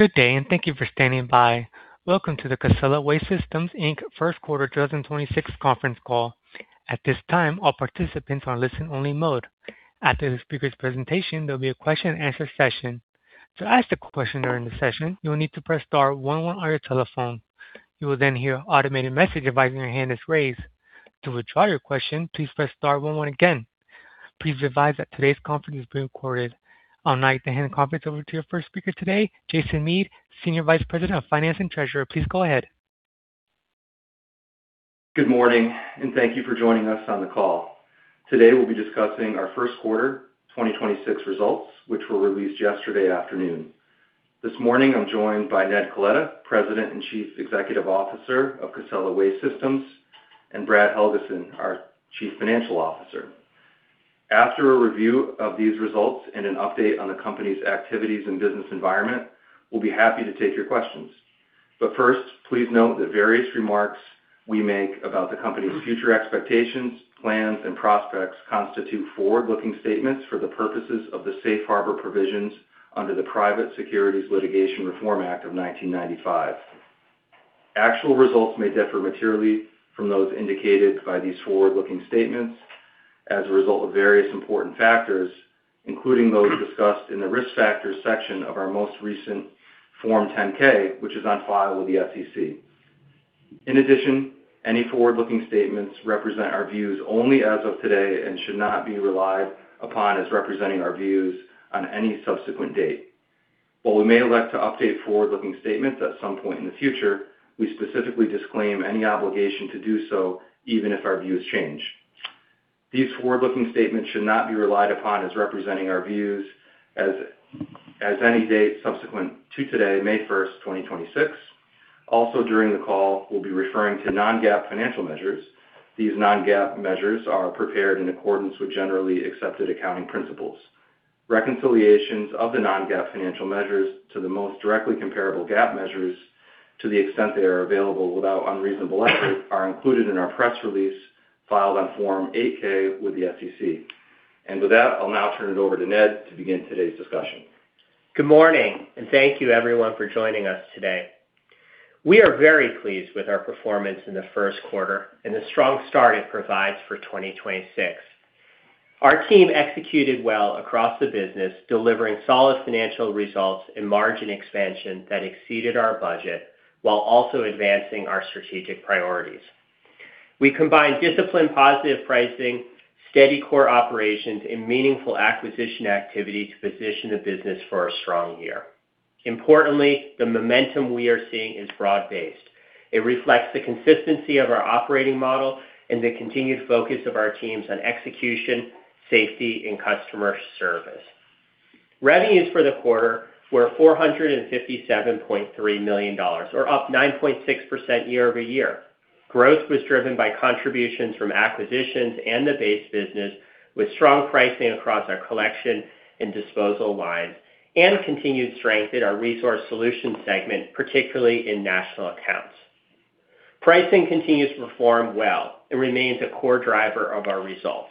Good day, and thank you for standing by. Welcome to the Casella Waste Systems, Inc first quarter 2026 conference call. At this time, all participants are in listen only mode. After the speaker's presentation, there'll be a question-and-answer session. To ask a question during the session, you'll need to press star one one on your telephone. You will then hear an automated message advising your hand is raised. To withdraw your question, please press star one one again. Please be advised that today's conference is being recorded. I'll now hand the conference over to your first speaker today, Jason Mead, Senior Vice President of Finance and Treasurer. Please go ahead. Good morning, and thank you for joining us on the call. Today, we'll be discussing our first quarter 2026 results, which were released yesterday afternoon. This morning, I'm joined by Ned Coletta, President and Chief Executive Officer of Casella Waste Systems, and Brad Helgeson, our Chief Financial Officer. After a review of these results and an update on the company's activities and business environment, we'll be happy to take your questions. First, please note that various remarks we make about the company's future expectations, plans and prospects constitute forward-looking statements for the purposes of the safe harbor provisions under the Private Securities Litigation Reform Act of 1995. Actual results may differ materially from those indicated by these forward-looking statements as a result of various important factors, including those discussed in the Risk Factors section of our most recent Form 10-K, which is on file with the SEC. In addition, any forward-looking statements represent our views only as of today and should not be relied upon as representing our views on any subsequent date. While we may elect to update forward-looking statements at some point in the future, we specifically disclaim any obligation to do so even if our views change. These forward-looking statements should not be relied upon as representing our views as of any date subsequent to today, May 1st, 2026. During the call, we'll be referring to non-GAAP financial measures. These non-GAAP measures are prepared in accordance with generally accepted accounting principles. Reconciliations of the non-GAAP financial measures to the most directly comparable GAAP measures to the extent they are available without unreasonable effort, are included in our press release filed on Form 8-K with the SEC. With that, I'll now turn it over to Ned to begin today's discussion. Good morning. Thank you, everyone, for joining us today. We are very pleased with our performance in the first quarter and the strong start it provides for 2026. Our team executed well across the business, delivering solid financial results and margin expansion that exceeded our budget while also advancing our strategic priorities. We combined disciplined positive pricing, steady core operations and meaningful acquisition activity to position the business for a strong year. Importantly, the momentum we are seeing is broad-based. It reflects the consistency of our operating model and the continued focus of our teams on execution, safety and customer service. Revenues for the quarter were $457.3 million, or up 9.6% year-over-year. Growth was driven by contributions from acquisitions and the base business, with strong pricing across our collection and disposal lines and continued strength in our resource solutions segment, particularly in national accounts. Pricing continues to perform well and remains a core driver of our results.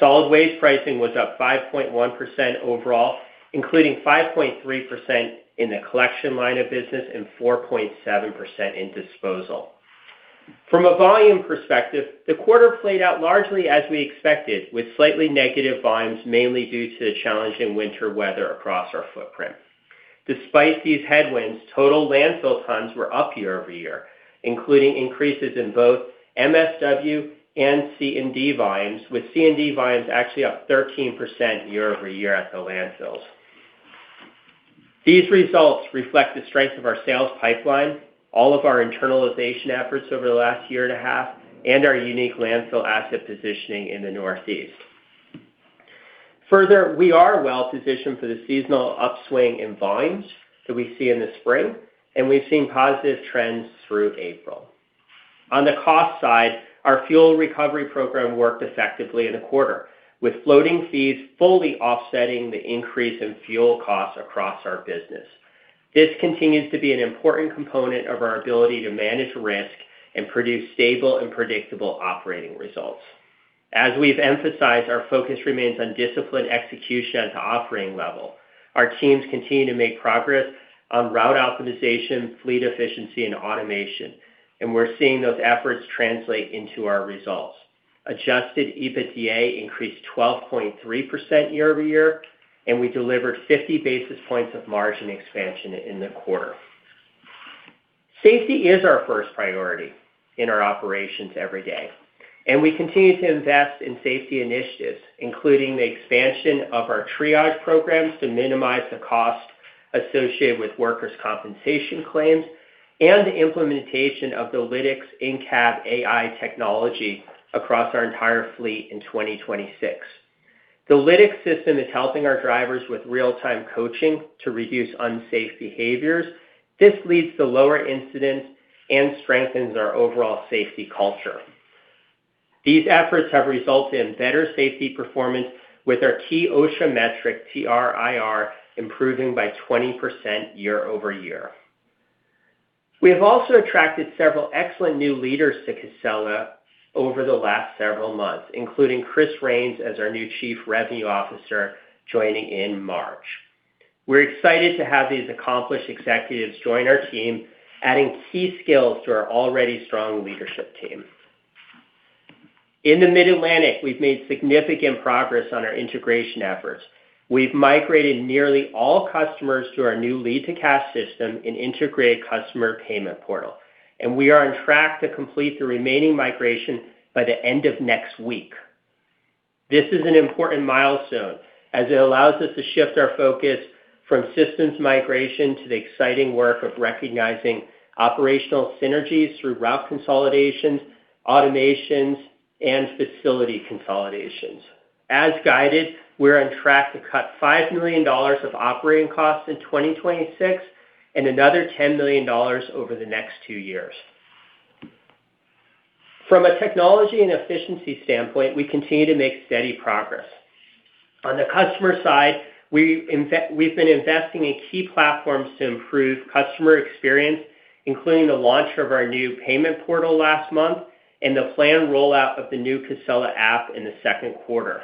Solid waste pricing was up 5.1% overall, including 5.3% in the collection line of business and 4.7% in disposal. From a volume perspective, the quarter played out largely as we expected, with slightly negative volumes mainly due to the challenging winter weather across our footprint. Despite these headwinds, total landfill tons were up year-over-year, including increases in both MSW and C&D volumes, with C&D volumes actually up 13% year-over-year at the landfills. These results reflect the strength of our sales pipeline, all of our internalization efforts over the last year and a half, and our unique landfill asset positioning in the Northeast. Further, we are well-positioned for the seasonal upswing in volumes that we see in the spring, and we've seen positive trends through April. On the cost side, our fuel recovery program worked effectively in the quarter, with floating fees fully offsetting the increase in fuel costs across our business. This continues to be an important component of our ability to manage risk and produce stable and predictable operating results. As we've emphasized, our focus remains on disciplined execution at the offering level. Our teams continue to make progress on route optimization, fleet efficiency and automation, and we're seeing those efforts translate into our results. Adjusted EBITDA increased 12.3% year-over-year, and we delivered 50 basis points of margin expansion in the quarter. Safety is our first priority in our operations every day, and we continue to invest in safety initiatives, including the expansion of our triage programs to minimize the cost associated with workers' compensation claims and the implementation of the Lytx in-cab AI technology across our entire fleet in 2026. The Lytx system is helping our drivers with real-time coaching to reduce unsafe behaviors. This leads to lower incidents and strengthens our overall safety culture. These efforts have resulted in better safety performance with our key OSHA metric TRIR improving by 20% year-over-year. We have also attracted several excellent new leaders to Casella over the last several months, including Chris Rains as our new Chief Revenue Officer joining in March. We're excited to have these accomplished executives join our team, adding key skills to our already strong leadership team. In the Mid-Atlantic, we've made significant progress on our integration efforts. We've migrated nearly all customers to our new Lead-to-Cash system and integrated customer payment portal. We are on track to complete the remaining migration by the end of next week. This is an important milestone as it allows us to shift our focus from systems migration to the exciting work of recognizing operational synergies through route consolidations, automations, and facility consolidations. As guided, we're on track to cut $5 million of operating costs in 2026 and another $10 million over the next two years. From a technology and efficiency standpoint, we continue to make steady progress. On the customer side, we've been investing in key platforms to improve customer experience, including the launch of our new payment portal last month and the planned rollout of the new Casella app in the second quarter.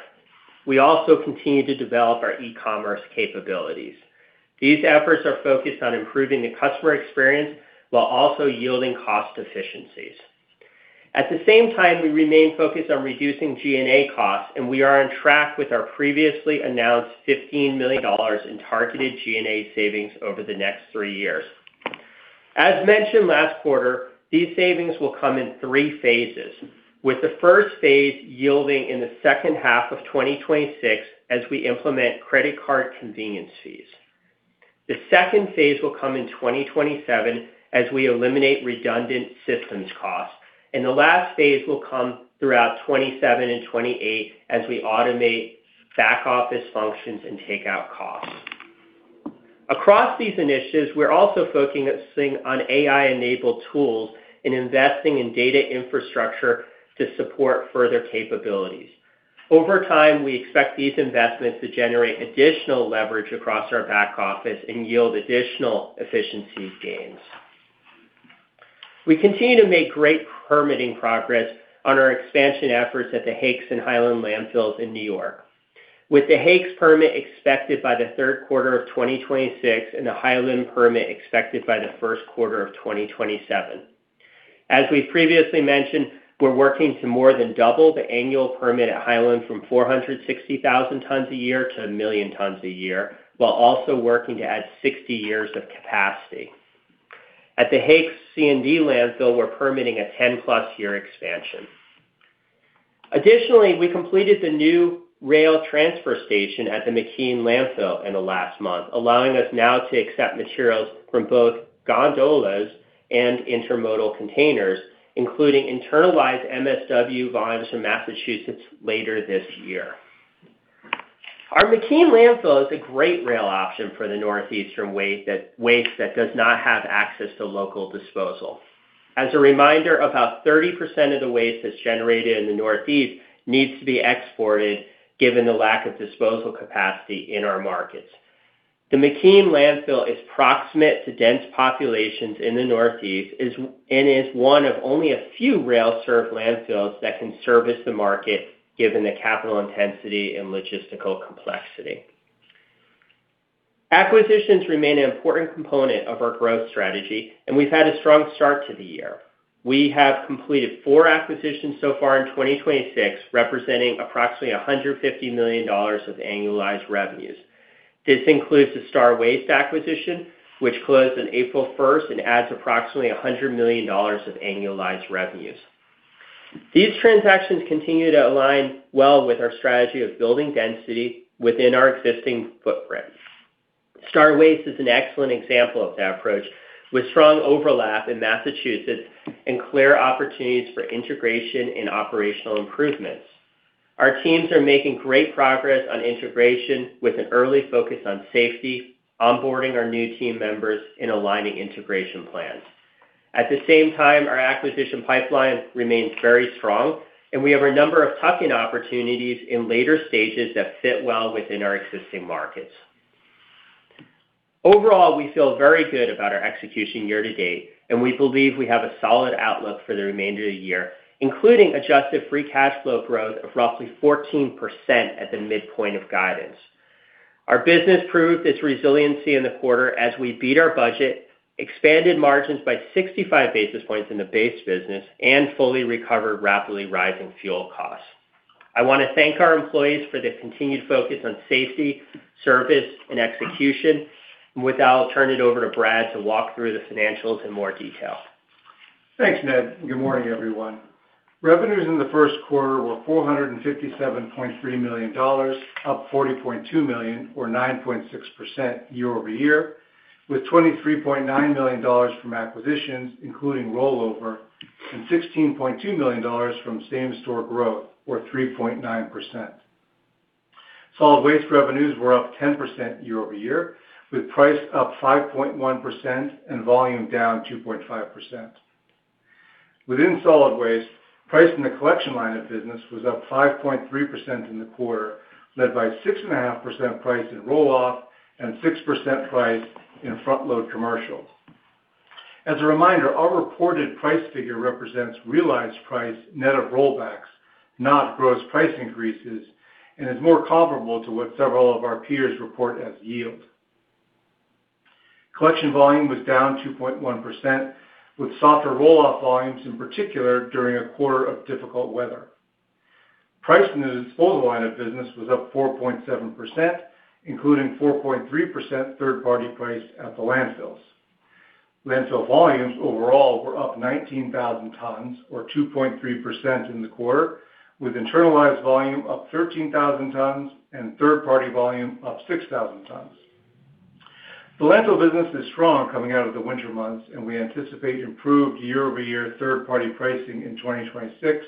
We also continue to develop our e-commerce capabilities. These efforts are focused on improving the customer experience while also yielding cost efficiencies. At the same time, we remain focused on reducing G&A costs, and we are on track with our previously announced $15 million in targeted G&A savings over the next three years. As mentioned last quarter, these savings will come in three phases, with the first phase yielding in the second half of 2026 as we implement credit card convenience fees. The second phase will come in 2027 as we eliminate redundant systems costs. The last phase will come throughout 2027 and 2028 as we automate back-office functions and take out costs. Across these initiatives, we're also focusing on AI-enabled tools and investing in data infrastructure to support further capabilities. Over time, we expect these investments to generate additional leverage across our back office and yield additional efficiency gains. We continue to make great permitting progress on our expansion efforts at the Hakes and Highland landfills in New York. With the Hakes permit expected by the third quarter of 2026 and the Highland permit expected by the first quarter of 2027. As we previously mentioned, we're working to more than double the annual permit at Highland from 460,000 tons a year to 1 million tons a year, while also working to add 60 years of capacity. At the Hakes C&D landfill, we're permitting a 10-plus year expansion. Additionally, we completed the new rail transfer station at the McKean Landfill in the last month, allowing us now to accept materials from both gondolas and intermodal containers, including internalized MSW volumes from Massachusetts later this year. Our McKean Landfill is a great rail option for the Northeastern waste that does not have access to local disposal. As a reminder, about 30% of the waste that's generated in the Northeast needs to be exported given the lack of disposal capacity in our markets. The McKean Landfill is proximate to dense populations in the Northeast and is one of only a few rail-served landfills that can service the market given the capital intensity and logistical complexity. Acquisitions remain an important component of our growth strategy. We've had a strong start to the year. We have completed four acquisitions so far in 2026, representing approximately $150 million of annualized revenues. This includes the Star Waste acquisition, which closed on April 1st and adds approximately $100 million of annualized revenues. These transactions continue to align well with our strategy of building density within our existing footprint. Star Waste is an excellent example of that approach, with strong overlap in Massachusetts and clear opportunities for integration and operational improvements. Our teams are making great progress on integration with an early focus on safety, onboarding our new team members and aligning integration plans. At the same time, our acquisition pipeline remains very strong, and we have a number of tuck-in opportunities in later stages that fit well within our existing markets. Overall, we feel very good about our execution year-to-date, and we believe we have a solid outlook for the remainder of the year, including adjusted free cash flow growth of roughly 14% at the midpoint of guidance. Our business proved its resiliency in the quarter as we beat our budget, expanded margins by 65 basis points in the base business, and fully recovered rapidly rising fuel costs. I want to thank our employees for their continued focus on safety, service, and execution. With that, I'll turn it over to Brad to walk through the financials in more detail. Thanks, Ned. Good morning, everyone. Revenues in the first quarter were $457.3 million, up $40.2 million or 9.6% year-over-year, with $23.9 million from acquisitions, including rollover, and $16.2 million from same-store growth, or 3.9%. Solid waste revenues were up 10% year-over-year, with price up 5.1% and volume down 2.5%. Within solid waste, price in the collection line of business was up 5.3% in the quarter, led by 6.5% price in roll-off and 6% price in front-load commercial. As a reminder, our reported price figure represents realized price net of rollbacks, not gross price increases, and is more comparable to what several of our peers report as yield. Collection volume was down 2.1%, with softer roll-off volumes in particular during a quarter of difficult weather. Price in the disposal line of business was up 4.7%, including 4.3% third-party price at the landfills. Landfill volumes overall were up 19,000 tons or 2.3% in the quarter, with internalized volume up 13,000 tons and third-party volume up 6,000 tons. The landfill business is strong coming out of the winter months, and we anticipate improved year-over-year third-party pricing in 2026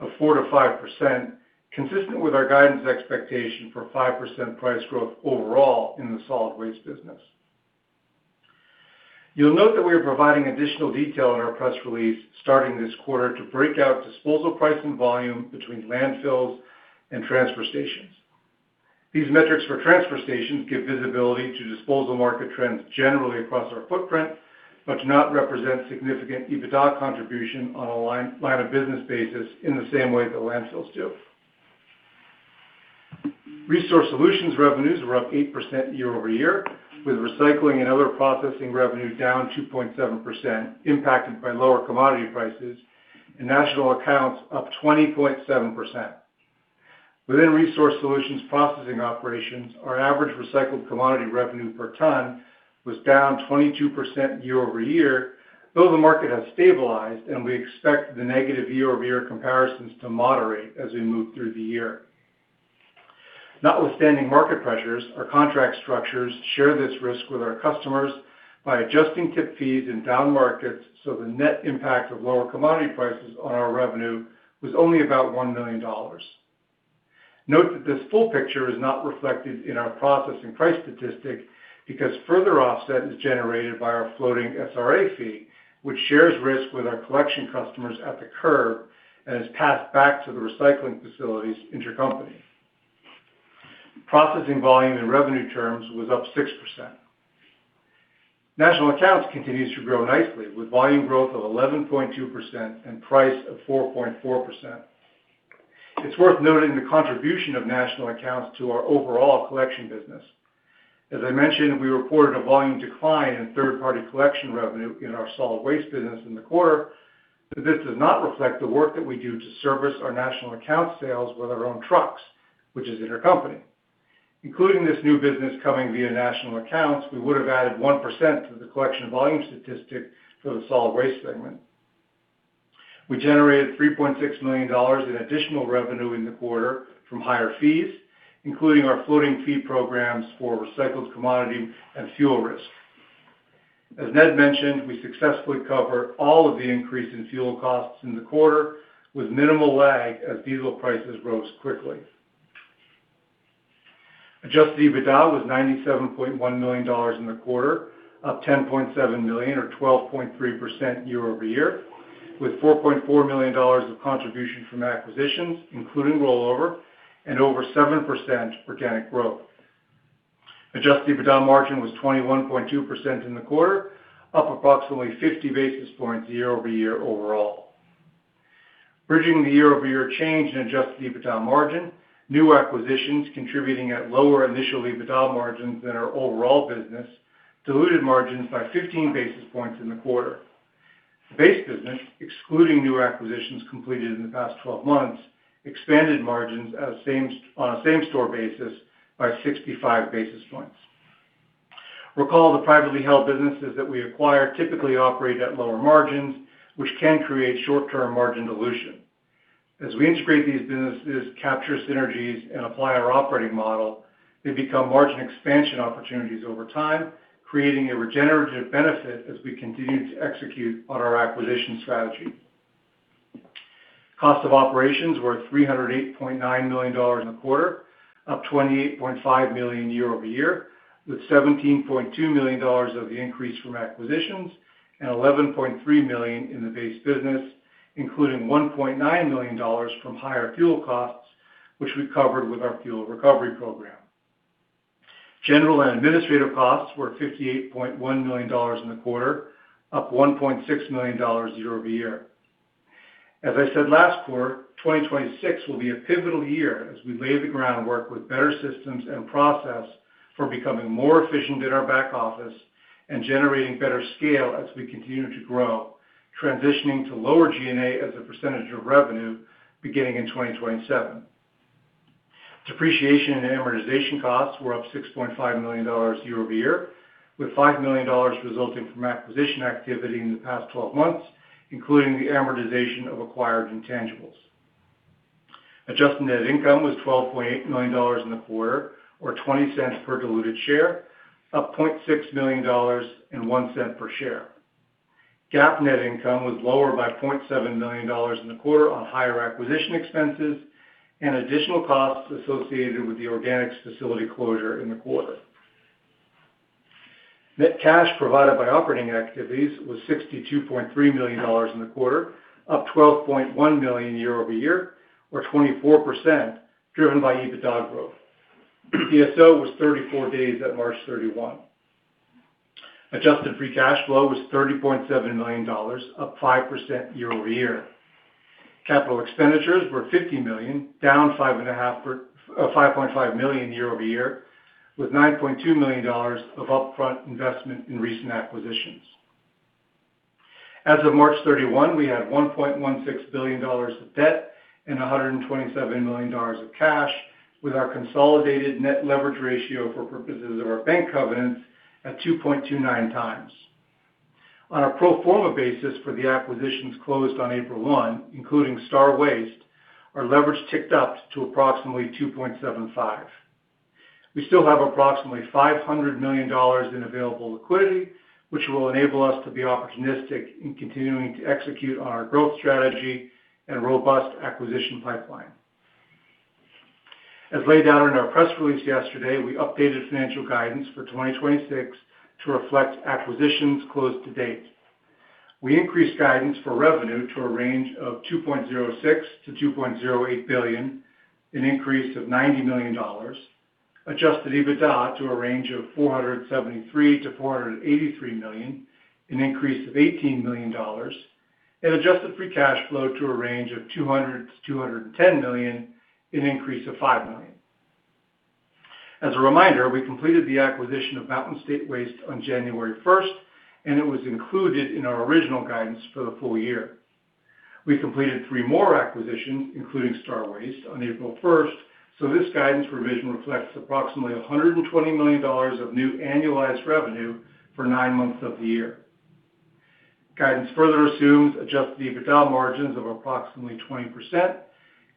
of 4%-5%, consistent with our guidance expectation for 5% price growth overall in the solid waste business. You'll note that we are providing additional detail in our press release starting this quarter to break out disposal price and volume between landfills and transfer stations. These metrics for transfer stations give visibility to disposal market trends generally across our footprint. Do not represent significant EBITDA contribution on a line of business basis in the same way that landfills do. Resource Solutions revenues were up 8% year-over-year, with recycling and other processing revenue down 2.7% impacted by lower commodity prices and national accounts up 20.7%. Within Resource Solutions processing operations, our average recycled commodity revenue per ton was down 22% year-over-year, though the market has stabilized, and we expect the negative year-over-year comparisons to moderate as we move through the year. Notwithstanding market pressures, our contract structures share this risk with our customers by adjusting tip fees in down markets. The net impact of lower commodity prices on our revenue was only about $1 million. Note that this full picture is not reflected in our processing price statistic because further offset is generated by our floating SRA fee, which shares risk with our collection customers at the curb and is passed back to the recycling facilities intercompany. Processing volume in revenue terms was up 6%. National accounts continues to grow nicely with volume growth of 11.2% and price of 4.4%. It's worth noting the contribution of national accounts to our overall collection business. As I mentioned, we reported a volume decline in third-party collection revenue in our solid waste business in the quarter, but this does not reflect the work that we do to service our national account sales with our own trucks, which is intercompany. Including this new business coming via national accounts, we would have added 1% to the collection volume statistic for the solid waste segment. We generated $3.6 million in additional revenue in the quarter from higher fees, including our floating fee programs for recycled commodity and fuel risk. As Ned mentioned, we successfully covered all of the increase in fuel costs in the quarter with minimal lag as diesel prices rose quickly. Adjusted EBITDA was $97.1 million in the quarter, up $10.7 million or 12.3% year-over-year, with $4.4 million of contribution from acquisitions, including rollover and over 7% organic growth. Adjusted EBITDA margin was 21.2% in the quarter, up approximately 50 basis points year-over-year overall. Bridging the year-over-year change in adjusted EBITDA margin, new acquisitions contributing at lower initial EBITDA margins than our overall business diluted margins by 15 basis points in the quarter. The base business, excluding new acquisitions completed in the past 12 months, expanded margins as on a same store basis by 65 basis points. Recall the privately held businesses that we acquire typically operate at lower margins, which can create short-term margin dilution. As we integrate these businesses, capture synergies, and apply our operating model, they become margin expansion opportunities over time, creating a regenerative benefit as we continue to execute on our acquisition strategy. Cost of operations were $308.9 million in the quarter, up $28.5 million year-over-year, with $17.2 million of the increase from acquisitions and $11.3 million in the base business, including $1.9 million from higher fuel costs, which we covered with our fuel recovery program. General and administrative costs were $58.1 million in the quarter, up $1.6 million year-over-year. As I said last quarter, 2026 will be a pivotal year as we lay the groundwork with better systems and process for becoming more efficient in our back office and generating better scale as we continue to grow, transitioning to lower G&A as a percentage of revenue beginning in 2027. Depreciation and amortization costs were up $6.5 million year-over-year, with $5 million resulting from acquisition activity in the past 12 months, including the amortization of acquired intangibles. Adjusted net income was $12.8 million in the quarter, or $0.20 per diluted share, up $0.6 million and $0.01 per share. GAAP net income was lower by $0.7 million in the quarter on higher acquisition expenses and additional costs associated with the organics facility closure in the quarter. Net cash provided by operating activities was $62.3 million in the quarter, up $12.1 million year-over-year, or 24%, driven by EBITDA growth. DSO was 34 days at March 31. Adjusted free cash flow was $30.7 million, up 5% year-over-year. Capital expenditures were $50 million, down five and a half. $5.5 million year-over-year, with $9.2 million of upfront investment in recent acquisitions. As of March 31, we had $1.16 billion of debt and $127 million of cash, with our consolidated net leverage ratio for purposes of our bank covenants at 2.29x. On a pro forma basis for the acquisitions closed on April 1, including Star Waste, our leverage ticked up to approximately 2.75x. We still have approximately $500 million in available liquidity, which will enable us to be opportunistic in continuing to execute on our growth strategy and robust acquisition pipeline. As laid out in our press release yesterday, we updated financial guidance for 2026 to reflect acquisitions closed to date. We increased guidance for revenue to a range of $2.06 billion-$2.08 billion, an increase of $90 million. Adjusted EBITDA to a range of $473 million-$483 million, an increase of $18 million. Adjusted free cash flow to a range of $200 million-$210 million, an increase of $5 million. As a reminder, we completed the acquisition of Mountain State Waste on January 1st, and it was included in our original guidance for the full year. We completed three more acquisitions, including Star Waste, on April 1st, this guidance revision reflects approximately $120 million of new annualized revenue for nine months of the year. Guidance further assumes adjusted EBITDA margins of approximately 20%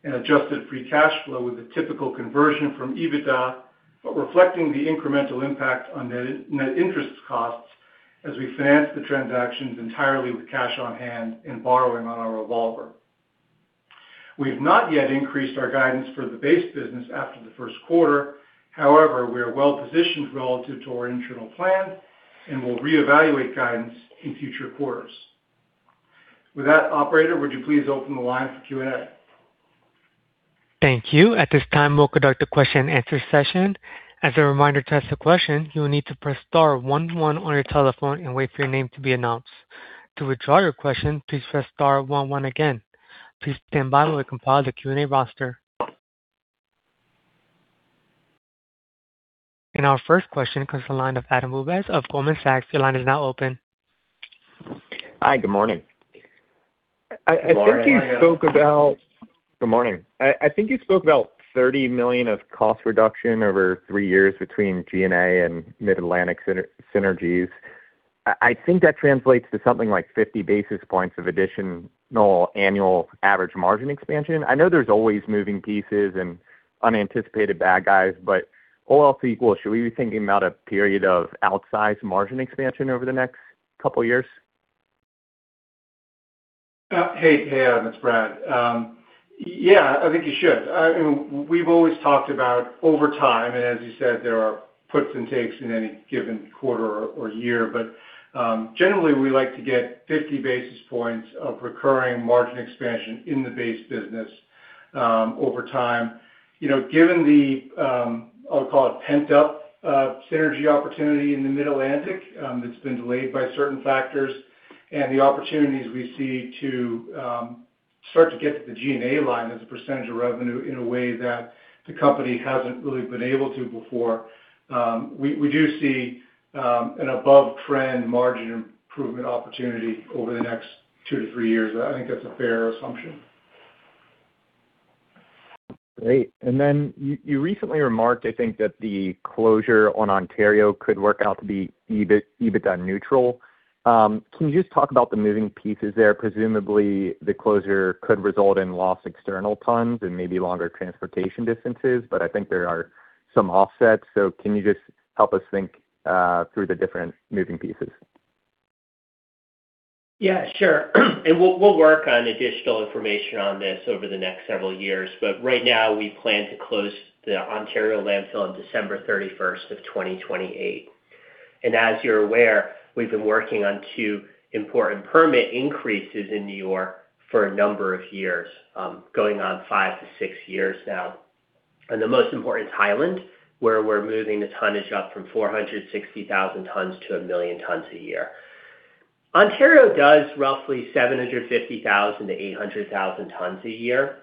and adjusted free cash flow with a typical conversion from EBITDA, but reflecting the incremental impact on net interest costs as we finance the transactions entirely with cash on hand and borrowing on our revolver. We have not yet increased our guidance for the base business after the first quarter. We are well positioned relative to our internal plan and will reevaluate guidance in future quarters. With that, operator, would you please open the line for Q&A? Thank you. At this time, we'll conduct a question-and-answer session. As a reminder to ask a question you need to press star one one on your telephone and wait for your name to be announced. To withdraw your question please press star one one again. Please wait as we compile the Q&A roster. Our first question comes from the line of Adam Bubes of Goldman Sachs. Hi, good morning. Good morning. I think you spoke about. Good morning. I think you spoke about $30 million of cost reduction over three years between G&A and Mid-Atlantic synergies. I think that translates to something like 50 basis points of additional annual average margin expansion. I know there's always moving pieces and unanticipated bad guys, all else equal, should we be thinking about a period of outsized margin expansion over the next couple years? Hey, hey, Adam Bubes, it's Brad. Yeah, I think you should. We've always talked about over time, and as you said, there are puts and takes in any given quarter or year. Generally, we like to get 50 basis points of recurring margin expansion in the base business over time. You know, given the, I'll call it pent-up synergy opportunity in the Mid-Atlantic, that's been delayed by certain factors and the opportunities we see to start to get to the G&A line as a percentage of revenue in a way that the company hasn't really been able to before, we do see an above-trend margin improvement opportunity over the next two to three years. I think that's a fair assumption. Great. You recently remarked, I think, that the closure on Ontario could work out to be EBITDA neutral. Can you just talk about the moving pieces there? Presumably, the closure could result in lost external tons and maybe longer transportation distances, but I think there are some offsets. Can you just help us think through the different moving pieces? Yeah, sure. We'll work on additional information on this over the next several years. Right now, we plan to close the Ontario landfill on December 31st of 2028. As you're aware, we've been working on two important permit increases in New York for a number of years, going on five to six years now. The most important is Highland, where we're moving the tonnage up from 460,000 tons-1 million tons a year. Ontario does roughly 750,000 tons-800,000 tons a year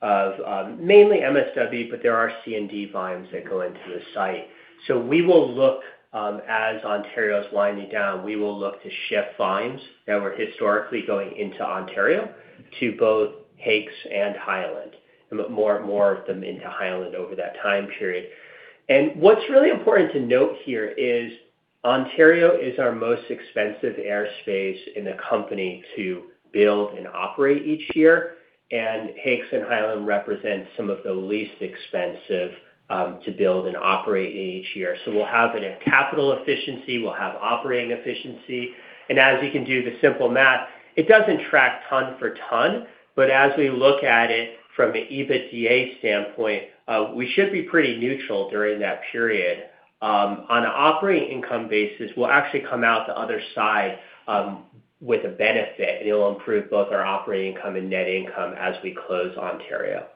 of mainly MSW, but there are C&D volumes that go into the site. We will look, as Ontario is winding down, we will look to shift volumes that were historically going into Ontario to both Hakes and Highland, and more of them into Highland over that time period. What's really important to note here is Ontario is our most expensive airspace in the company to build and operate each year, and Hakes and Highland represent some of the least expensive to build and operate each year. We'll have a capital efficiency, we'll have operating efficiency, and as you can do the simple math, it doesn't track ton for ton, but as we look at it from an EBITDA standpoint, we should be pretty neutral during that period. On an operating income basis, we'll actually come out the other side with a benefit, and it'll improve both our operating income and net income as we close Ontario.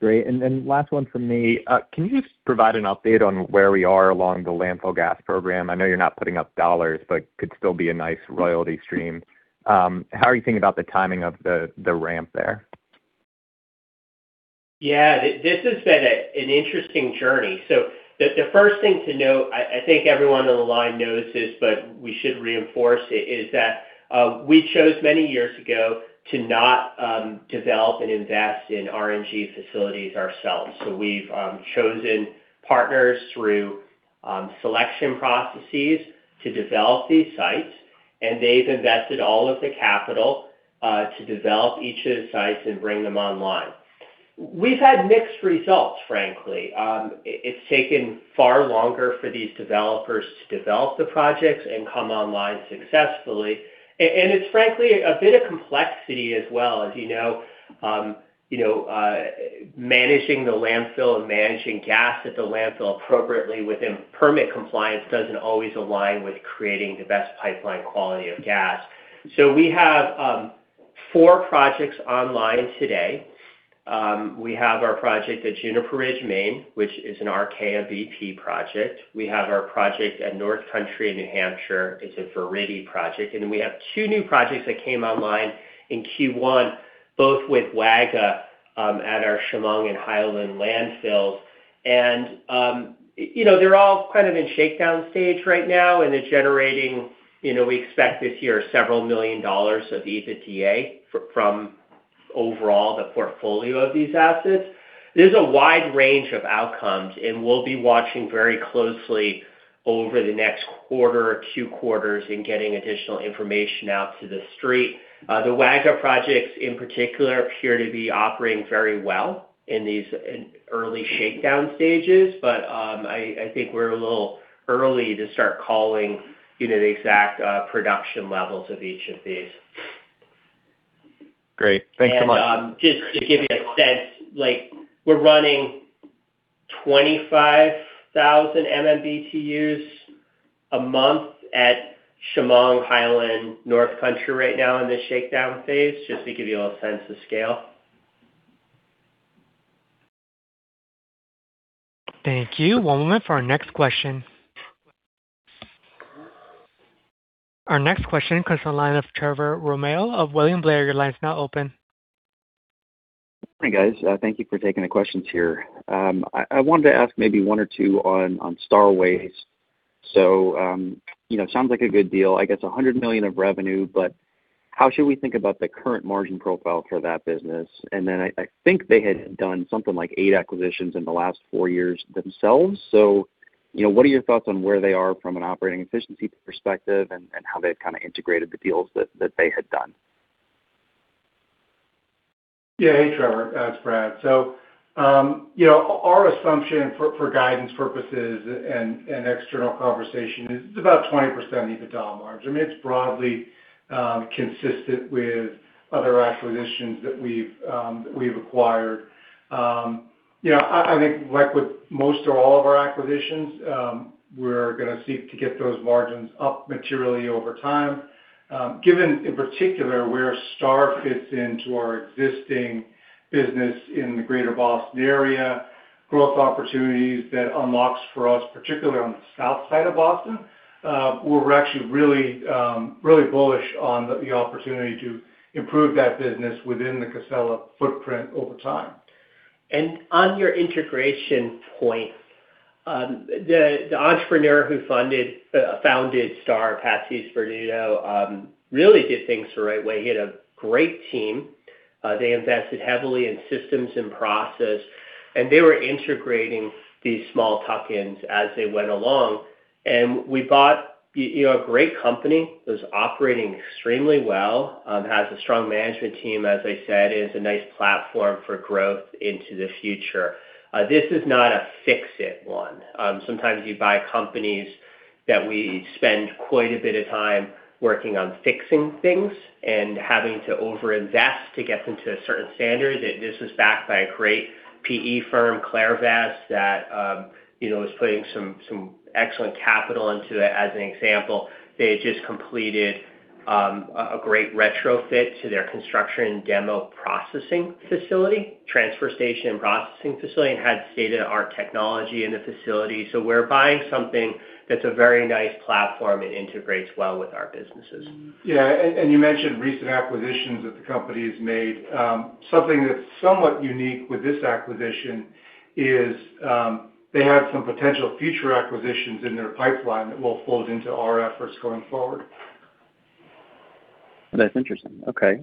Great. Last one from me. Can you just provide an update on where we are along the landfill gas program? I know you're not putting up dollars, but could still be a nice royalty stream. How are you thinking about the timing of the ramp there? Yeah. This has been an interesting journey. The first thing to note, I think everyone on the line knows this, but we should reinforce it, is that we chose many years ago to not develop and invest in RNG facilities ourselves. We've chosen partners through selection processes to develop these sites, and they've invested all of the capital to develop each of the sites and bring them online. We've had mixed results, frankly. It's taken far longer for these developers to develop the projects and come online successfully. It's frankly a bit of complexity as well. As you know, you know, managing the landfill and managing gas at the landfill appropriately within permit compliance doesn't always align with creating the best pipeline quality of gas. We have four projects online today. We have our project at Juniper Ridge, Maine, which is an Archaea BP project. We have our project at North Country, New Hampshire. It's a Veregy project. We have two new projects that came online in Q1, both with Waga, at our Shamong and Highland landfills. You know, they're all kind of in shakedown stage right now, and they're generating, you know, we expect this year several million dollars of EBITDA from overall the portfolio of these assets. There's a wide range of outcomes, and we'll be watching very closely over the next quarter or two quarters in getting additional information out to the street. The Waga projects in particular appear to be operating very well in these early shakedown stages. I think we're a little early to start calling, you know, the exact production levels of each of these. Great. Thanks so much. Just to give you a sense, like we're running 25,000 MMBtu a month at Shamong, Highland, North Country right now in the shakedown phase, just to give you a sense of scale. Thank you. One moment for our next question. Our next question comes from the line of Trevor Romeo of William Blair. Your line's now open. Hi, guys. Thank you for taking the questions here. I wanted to ask maybe one or two on Star Waste. you know, sounds like a good deal. I guess $100 million of revenue, how should we think about the current margin profile for that business? I think they had done something like eight acquisitions in the last four years themselves. you know, what are your thoughts on where they are from an operating efficiency perspective and how they've kind of integrated the deals that they had done? Yeah. Hey, Trevor. It's Brad. You know, our assumption for guidance purposes and external conversation is it's about 20% EBITDA margin. I mean, it's broadly consistent with other acquisitions that we've acquired. You know, I think like with most or all of our acquisitions, we're gonna seek to get those margins up materially over time. Given in particular where Star fits into our existing business in the greater Boston area, growth opportunities that unlocks for us, particularly on the south side of Boston, we're actually really bullish on the opportunity to improve that business within the Casella footprint over time. On your integration point, the entrepreneur who founded Star, Patsy Sperduto, really did things the right way. He had a great team. They invested heavily in systems and process, and they were integrating these small tuck-ins as they went along. We bought, you know, a great company that's operating extremely well, has a strong management team, as I said, is a nice platform for growth into the future. This is not a fix-it one. Sometimes you buy companies that we spend quite a bit of time working on fixing things and having to overinvest to get them to a certain standard. This is backed by a great PE firm, Clairvest, that, you know, is putting some excellent capital into it. As an example, they had just completed, a great retrofit to their construction demo processing facility, transfer station and processing facility, and had state-of-the-art technology in the facility. We're buying something that's a very nice platform and integrates well with our businesses. Yeah. You mentioned recent acquisitions that the company has made. Something that's somewhat unique with this acquisition is, they have some potential future acquisitions in their pipeline that will fold into our efforts going forward. That's interesting. Okay.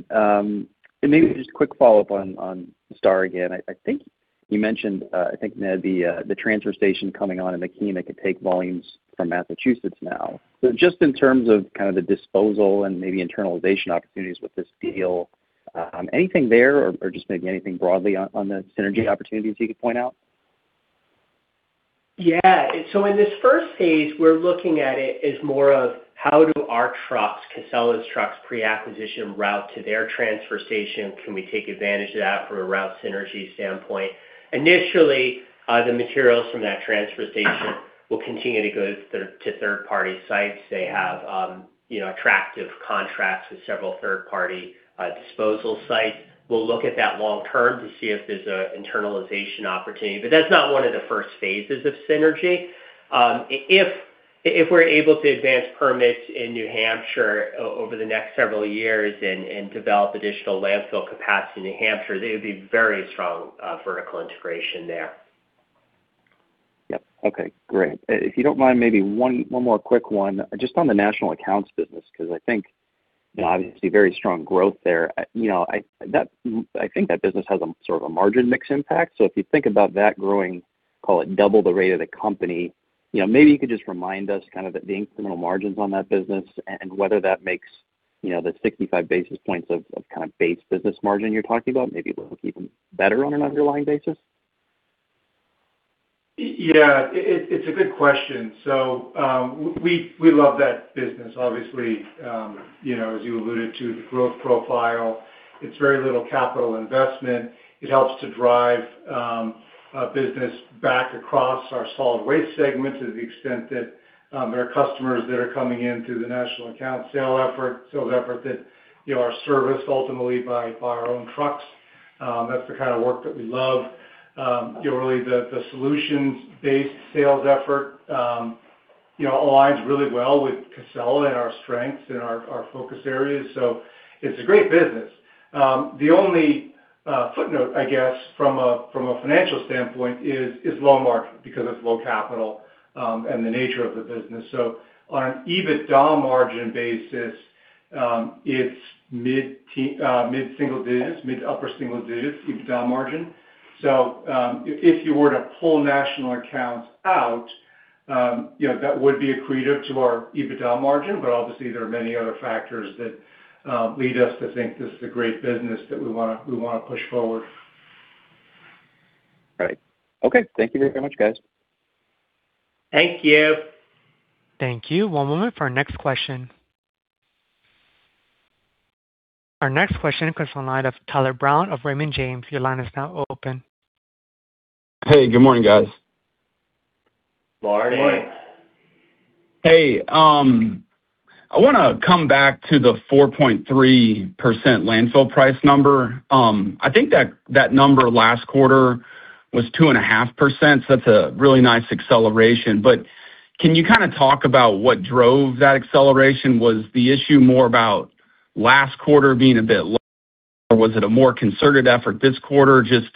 Maybe just a quick follow-up on Star again. I think you mentioned, I think the transfer station coming on and the key and it could take volumes from Massachusetts now. Just in terms of kind of the disposal and maybe internalization opportunities with this deal, anything there or just maybe anything broadly on the synergy opportunities you could point out? Yeah. In this first phase, we're looking at it as more of how do our trucks, Casella's trucks pre-acquisition route to their transfer station, can we take advantage of that from a route synergy standpoint? Initially, the materials from that transfer station will continue to go to third-party sites. They have, you know, attractive contracts with several third-party disposal sites. We'll look at that long term to see if there's a internalization opportunity. That's not one of the first phases of synergy. If we're able to advance permits in New Hampshire over the next several years and develop additional landfill capacity in New Hampshire, there would be very strong vertical integration there. Yep. Okay, great. If you don't mind maybe one more quick one, just on the national accounts business, 'cause I think, you know, obviously very strong growth there. I, you know, I think that business has a sort of a margin mix impact. If you think about that growing, call it double the rate of the company, you know, maybe you could just remind us kind of the incremental margins on that business and whether that makes, you know, the 65 basis points of kind of base business margin you're talking about, maybe look even better on an underlying basis. Yeah. It's a good question. We love that business. Obviously, you know, as you alluded to, the growth profile, it's very little capital investment. It helps to drive business back across our solid waste segment to the extent that there are customers that are coming in through the national account sales effort that, you know, are serviced ultimately by our own trucks. That's the kind of work that we love. You know, really the solutions-based sales effort, you know, aligns really well with Casella and our strengths and our focus areas. It's a great business. The only footnote, I guess, from a financial standpoint is low margin because it's low capital and the nature of the business. On an EBITDA margin basis, it's mid-single digits, mid-upper single digits EBITDA margin. If you were to pull national accounts out, you know, that would be accretive to our EBITDA margin. Obviously, there are many other factors that lead us to think this is a great business that we wanna push forward. Right. Okay. Thank you very much, guys. Thank you. Thank you. One moment for our next question. Our next question comes from the line of Tyler Brown of Raymond James. Your line is now open. Hey, good morning, guys. Morning. Morning. Hey, I wanna come back to the 4.3% landfill price number. I think that number last quarter was 2.5%, so that's a really nice acceleration. Can you kinda talk about what drove that acceleration? Was the issue more about last quarter being a bit low, or was it a more concerted effort this quarter? Just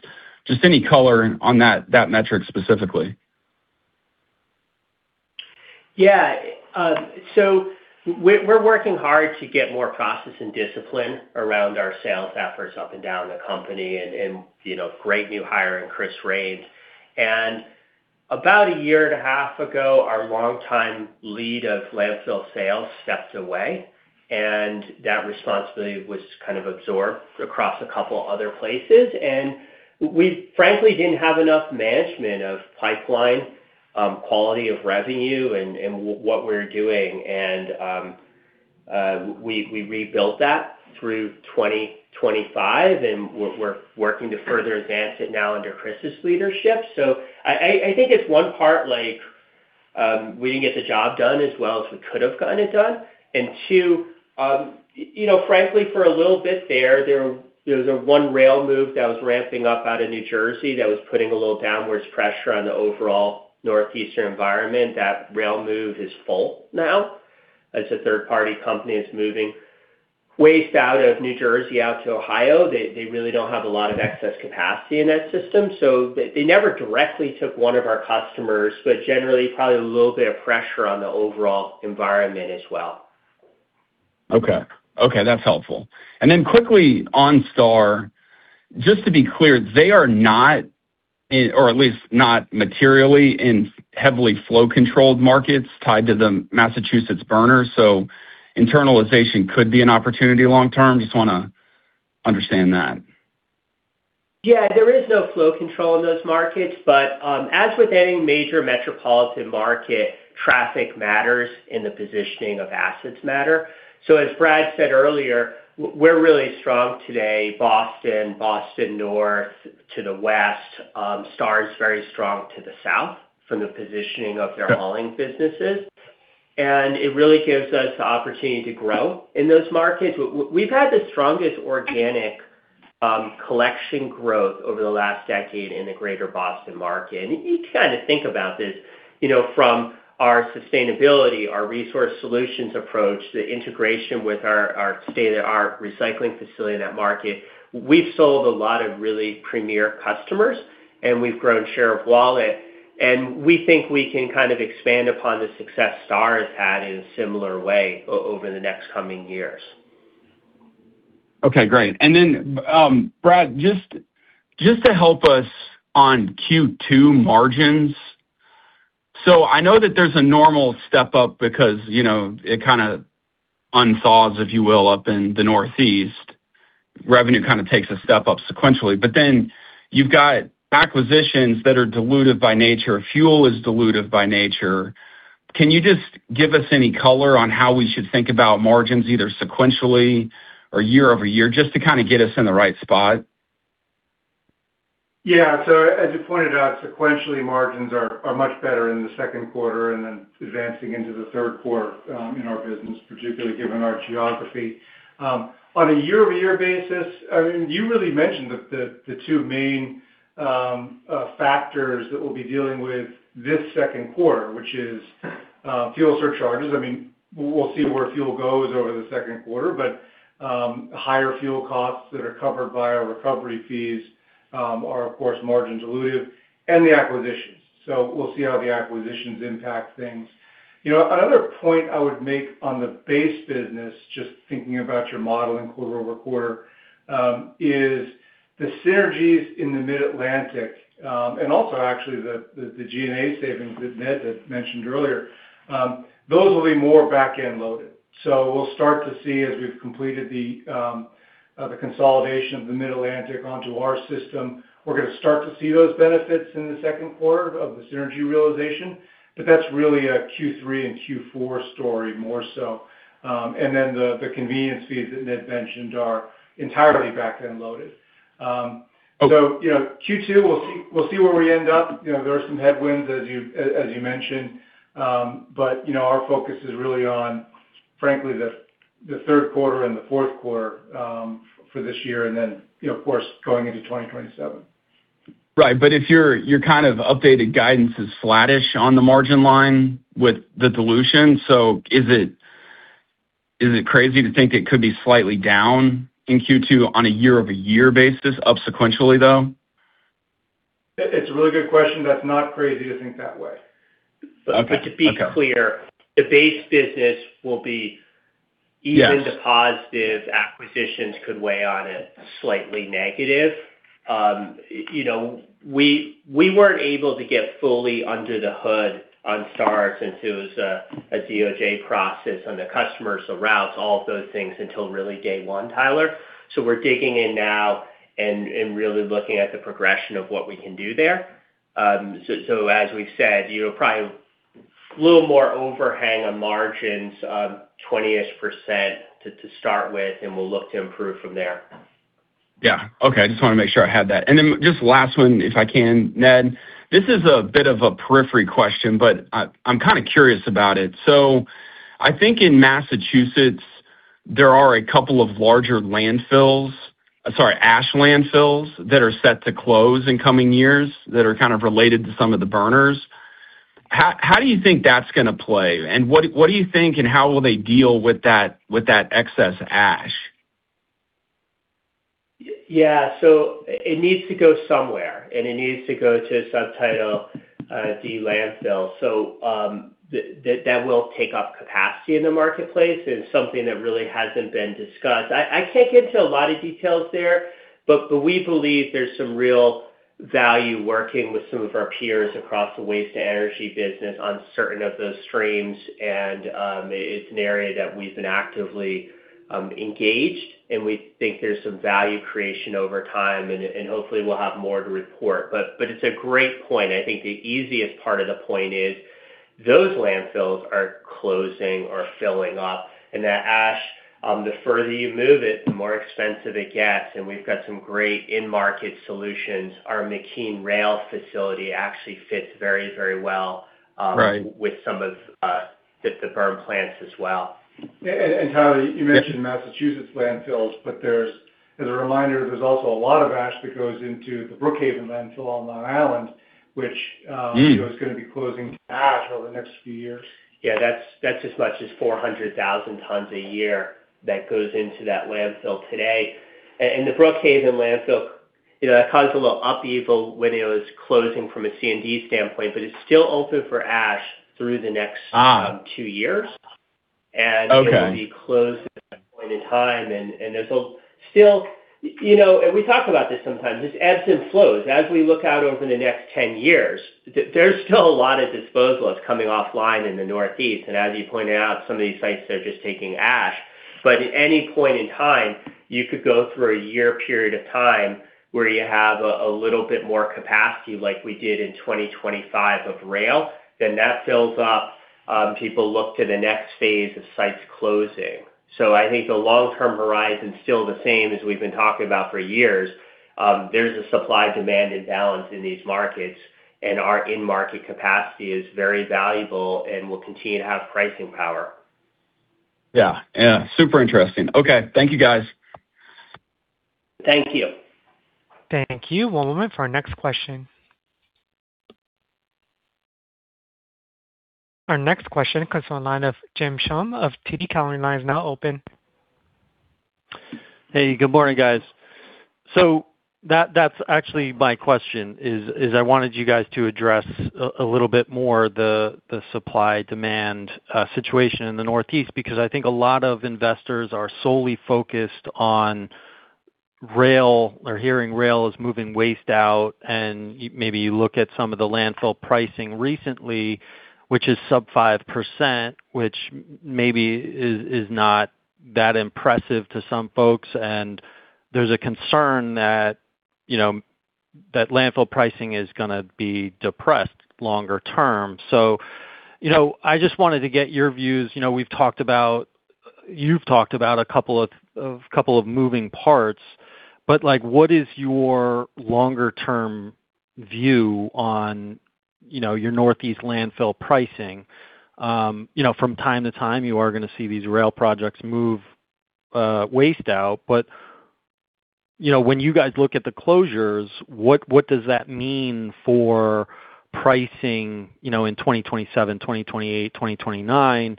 any color on that metric specifically. Yeah. We're working hard to get more process and discipline around our sales efforts up and down the company, you know, great new hire in Chris Rains. About a year and a half ago, our longtime lead of landfill sales stepped away. That responsibility was kind of absorbed across a couple other places. We frankly didn't have enough management of pipeline, quality of revenue and what we're doing. We rebuilt that through 2025, and we're working to further advance it now under Chris's leadership. I think it's one part like we didn't get the job done as well as we could have gotten it done. Two, you know, frankly, for a little bit there's a one rail move that was ramping up out of New Jersey that was putting a little downwards pressure on the overall northeastern environment. That rail move is full now. It's a third-party company that's moving waste out of New Jersey out to Ohio. They, they really don't have a lot of excess capacity in that system, so they never directly took one of our customers, but generally probably a little bit of pressure on the overall environment as well. Okay. Okay, that's helpful. Quickly on Star. Just to be clear, they are not in, or at least not materially in heavily flow-controlled markets tied to the Massachusetts burner, so internalization could be an opportunity long term? Just want to understand that. Yeah. There is no flow control in those markets, but as with any major metropolitan market, traffic matters, and the positioning of assets matter. As Brad said earlier, we're really strong today, Boston North to the west. Star is very strong to the south from the positioning of their hauling businesses, and it really gives us the opportunity to grow in those markets. We've had the strongest organic collection growth over the last decade in the greater Boston market. You kinda think about this, you know, from our sustainability, our resource solutions approach, the integration with our state-of-the-art recycling facility in that market. We've sold a lot of really premier customers, and we've grown share of wallet, and we think we can kind of expand upon the success Star has had in a similar way over the next coming years. Okay, great. Brad, to help us on Q2 margins. I know that there's a normal step-up because it kinda unthaws, if you will, up in the Northeast. Revenue kind of takes a step up sequentially, you've got acquisitions that are dilutive by nature. Fuel is dilutive by nature. Can you just give us any color on how we should think about margins, either sequentially or year-over-year, just to kind of get us in the right spot? Yeah. As you pointed out, sequentially, margins are much better in the second quarter and then advancing into the third quarter, in our business, particularly given our geography. On a year-over-year basis, I mean, you really mentioned the two main factors that we'll be dealing with this second quarter, which is fuel surcharges. I mean, we'll see where fuel goes over the second quarter, higher fuel costs that are covered by our recovery fees, are of course margin dilutive and the acquisitions. We'll see how the acquisitions impact things. You know, another point I would make on the base business, just thinking about your modeling quarter-over-quarter, is the synergies in the Mid-Atlantic, and also actually the G&A savings that Ned had mentioned earlier, those will be more back-end loaded. We'll start to see as we've completed the consolidation of the Mid-Atlantic onto our system, we're gonna start to see those benefits in the second quarter of the synergy realization, but that's really a Q3 and Q4 story more so. The convenience fees that Ned mentioned are entirely back-end loaded. You know, Q2, we'll see, we'll see where we end up. You know, there are some headwinds, as you mentioned. You know, our focus is really on, frankly, the third quarter and the fourth quarter for this year and then, you know, of course, going into 2027. Right. If your kind of updated guidance is flattish on the margin line with the dilution, is it crazy to think it could be slightly down in Q2 on a year-over-year basis up sequentially, though? It's a really good question. That's not crazy to think that way. Okay. Okay. To be clear, the base business will be even deposited. Acquisitions could weigh on it slightly negative. You know, we weren't able to get fully under the hood on Star since it was a DOJ process on the customers, the routes, all of those things until really day one, Tyler. We're digging in now and really looking at the progression of what we can do there. As we've said, you know, probably little more overhang on margins of 20-ish% to start with, and we'll look to improve from there. Yeah. Okay. I just wanna make sure I had that. Just last one, if I can, Ned. This is a bit of a periphery question, but I'm kinda curious about it. I think in Massachusetts, there are a couple of larger, sorry, ash landfills that are set to close in coming years that are kind of related to some of the burners. How do you think that's gonna play? What do you think and how will they deal with that excess ash? Yeah, it needs to go somewhere, and it needs to go to Subtitle D landfill. That will take up capacity in the marketplace and something that really hasn't been discussed. I can't get into a lot of details there, but we believe there's some real value working with some of our peers across the waste to energy business on certain of those streams and it's an area that we've been actively engaged, and we think there's some value creation over time, and hopefully we'll have more to report. But it's a great point. I think the easiest part of the point is those landfills are closing or filling up, and that ash, the further you move it, the more expensive it gets. We've got some great in-market solutions. Our McKean rail facility actually fits very well- Right. ...with some of, the burn plants as well. Tyler, you mentioned Massachusetts landfills, but there's, as a reminder, there's also a lot of ash that goes into the Brookhaven Landfill on Long Island, which- Mm.... is going to be closing to ash over the next few years. Yeah, that's as much as 400,000 tons a year that goes into that landfill today. The Brookhaven Landfill, you know, that caused a little upheaval when it was closing from a C&D standpoint, but it's still open for ash through the next- Ah.... two years. Okay... it will be closed at that point in time. Still, you know, we talk about this sometimes, this ebbs and flows. As we look out over the next 10 years, there's still a lot of disposals coming offline in the Northeast, as you pointed out, some of these sites are just taking ash. At any point in time, you could go through a year period of time where you have a little bit more capacity like we did in 2025 of rail, then that fills up, people look to the next phase of sites closing. I think the long-term horizon is still the same as we've been talking about for years. There's a supply-demand imbalance in these markets, our in-market capacity is very valuable and will continue to have pricing power. Yeah. Yeah. Super interesting. Okay. Thank you, guys. Thank you. Thank you. One moment for our next question. Our next question comes from the line of James Schumm of TD Cowen. Line is now open. That's actually my question is I wanted you guys to address a little bit more the supply-demand situation in the Northeast, because I think a lot of investors are solely focused on rail or hearing rail is moving waste out. Maybe you look at some of the landfill pricing recently, which is sub 5%, which maybe is not that impressive to some folks. There's a concern that, you know, that landfill pricing is going to be depressed longer term. You know, I just wanted to get your views. You know, you've talked about a couple of moving parts, but, like, what is your longer term view on, you know, your Northeast landfill pricing? You know, from time to time, you are gonna see these rail projects move waste out. You know, when you guys look at the closures, what does that mean for pricing, you know, in 2027, 2028, 2029?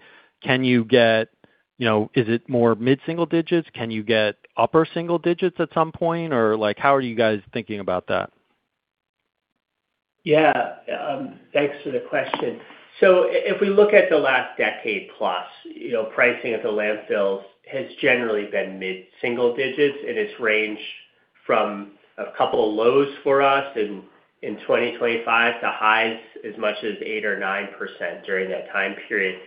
You know, is it more mid-single digits? Can you get upper single digits at some point? Or, like, how are you guys thinking about that? Yeah. Thanks for the question. If we look at the last decade plus, you know, pricing at the landfills has generally been mid-single digits, and it's ranged from a couple of lows for us in 2025 to highs as much as 8% or 9% during that time period.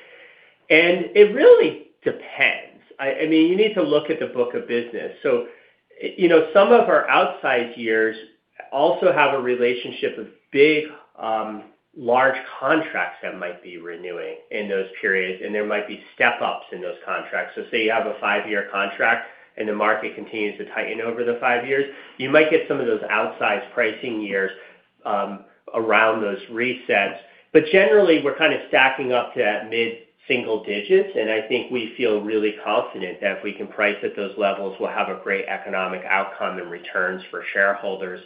It really depends. I mean, you need to look at the book of business. You know, some of our outsized years also have a relationship with big, large contracts that might be renewing in those periods, and there might be step-ups in those contracts. Say you have a five year contract, and the market continues to tighten over the five years, you might get some of those outsized pricing years around those resets. Generally, we're kind of stacking up to that mid-single digits, and I think we feel really confident that if we can price at those levels, we'll have a great economic outcome and returns for shareholders.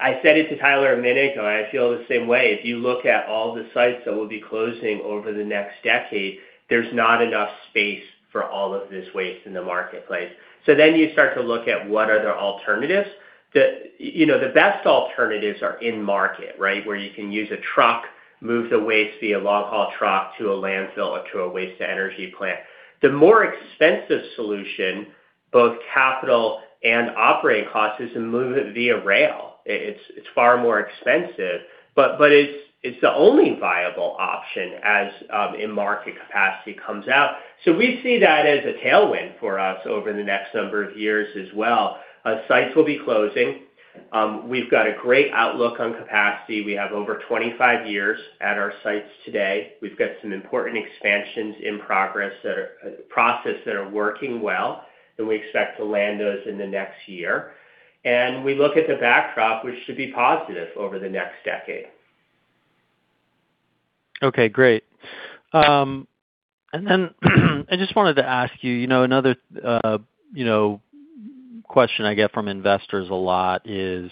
I said it to Tyler a minute ago, and I feel the same way. If you look at all the sites that we'll be closing over the next decade, there's not enough space for all of this waste in the marketplace. You start to look at what are the alternatives. The, you know, the best alternatives are in market, right? Where you can use a truck, move the waste via long-haul truck to a landfill or to a waste-to-energy plant. The more expensive solution, both capital and operating costs, is to move it via rail. It's far more expensive, but it's the only viable option as in-market capacity comes out. We see that as a tailwind for us over the next number of years as well. Sites will be closing. We've got a great outlook on capacity. We have over 25 years at our sites today. We've got some important expansions in progress that are working well, and we expect to land those in the next year. We look at the backdrop, which should be positive over the next decade. Okay, great. Then I just wanted to ask you know, another, you know, question I get from investors a lot is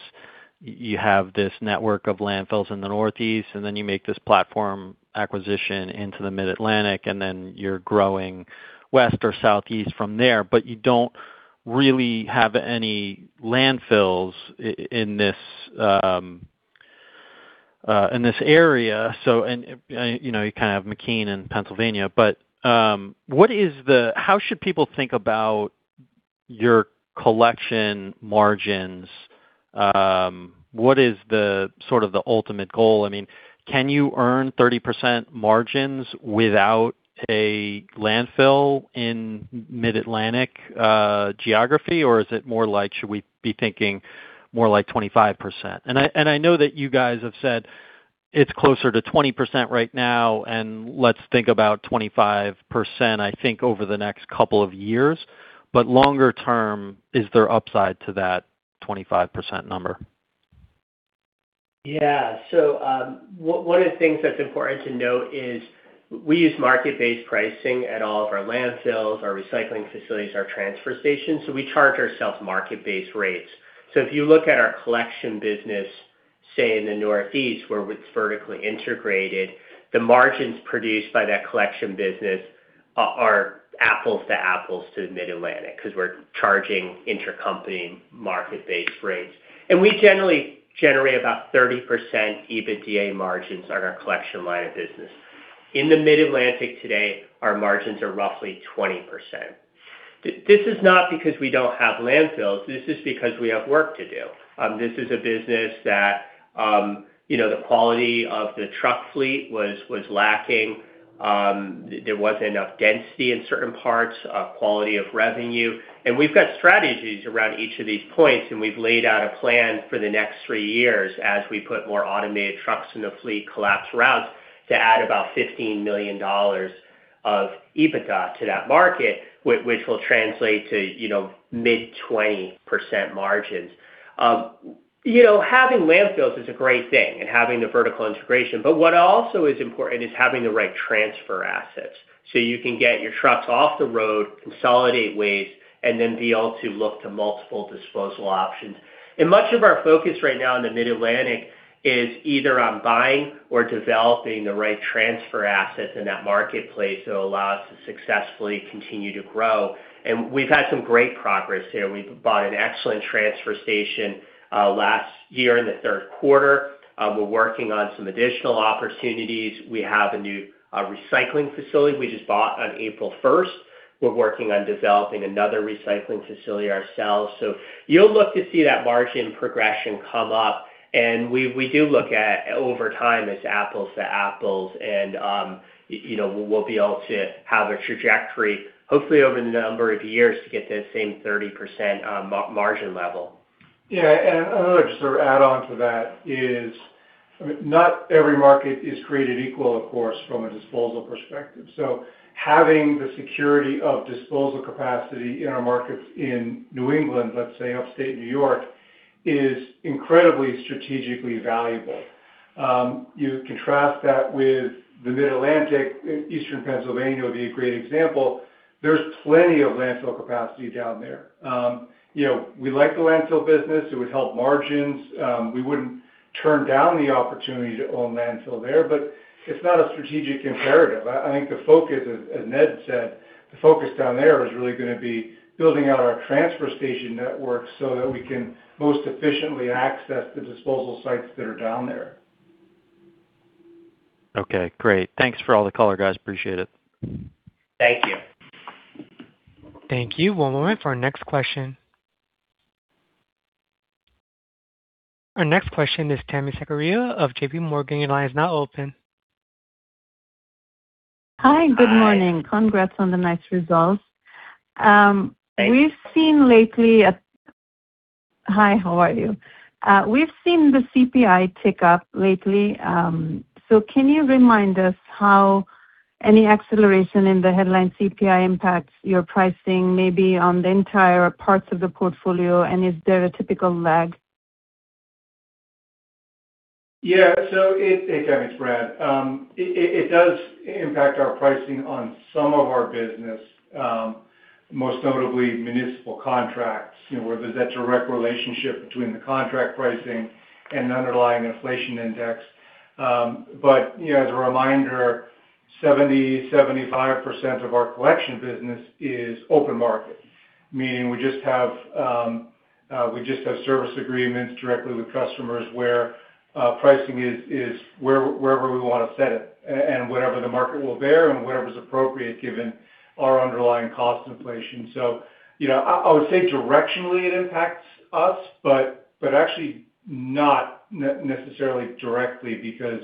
you have this network of landfills in the Northeast, and then you make this platform acquisition into the Mid-Atlantic, and then you're growing west or southeast from there. You don't really have any landfills in this area. You know, you kind of have McKean in Pennsylvania. How should people think about your collection margins? What is the, sort of the ultimate goal? I mean, can you earn 30% margins without a landfill in Mid-Atlantic geography? Is it more like, should we be thinking more like 25%? I know that you guys have said it's closer to 20% right now. Let's think about 25%, I think, over the next couple of years. Longer term, is there upside to that 25% number? Yeah. One of the things that's important to note is we use market-based pricing at all of our landfills, our recycling facilities, our transfer stations, so we charge ourselves market-based rates. If you look at our collection business, say, in the Northeast, where it's vertically integrated, the margins produced by that collection business are apples to apples to the Mid-Atlantic, 'cause we're charging intercompany market-based rates. We generally generate about 30% EBITDA margins on our collection line of business. In the Mid-Atlantic today, our margins are roughly 20%. This is not because we don't have landfills. This is because we have work to do. This is a business that, you know, the quality of the truck fleet was lacking. There wasn't enough density in certain parts, quality of revenue. We've got strategies around each of these points, and we've laid out a plan for the next three years as we put more automated trucks in the fleet collapse routes to add about $15 million of EBITDA to that market, which will translate to, you know, mid-20% margins. You know, having landfills is a great thing and having the vertical integration, but what also is important is having the right transfer assets so you can get your trucks off the road, consolidate waste, and then be able to look to multiple disposal options. Much of our focus right now in the Mid-Atlantic is either on buying or developing the right transfer assets in that marketplace that will allow us to successfully continue to grow. We've had some great progress here. We bought an excellent transfer station, last year in the third quarter. We're working on some additional opportunities. We have a new recycling facility we just bought on April 1st. We're working on developing another recycling facility ourselves. You'll look to see that margin progression come up, and we do look at over time as apples to apples and, you know, we'll be able to have a trajectory, hopefully over the number of years, to get to the same 30% margin level. I would just add on to that is, I mean, not every market is created equal, of course, from a disposal perspective. Having the security of disposal capacity in our markets in New England, let's say upstate New York, is incredibly strategically valuable. You contrast that with the Mid-Atlantic, Eastern Pennsylvania would be a great example, there's plenty of landfill capacity down there. You know, we like the landfill business. It would help margins. We wouldn't turn down the opportunity to own landfill there, but it's not a strategic imperative. I think the focus, as Ned said, the focus down there is really gonna be building out our transfer station network so that we can most efficiently access the disposal sites that are down there. Okay, great. Thanks for all the color, guys. Appreciate it. Thank you. Thank you. One moment for our next question. Our next question is Tami Zakaria of JPMorgan. Your line is now open. Hi. Good morning. Congrats on the nice results. Hi. Hi, how are you? We've seen the CPI tick up lately, so can you remind us how any acceleration in the headline CPI impacts your pricing maybe on the entire parts of the portfolio, and is there a typical lag? Yeah. Hey, Tami, it's Brad. It does impact our pricing on some of our business, most notably municipal contracts, you know, where there's that direct relationship between the contract pricing and underlying inflation index. You know, as a reminder, 70%-75% of our collection business is open market, meaning we just have service agreements directly with customers where pricing is wherever we wanna set it and whatever the market will bear and whatever is appropriate given our underlying cost inflation. You know, I would say directionally it impacts us, but actually not necessarily directly because,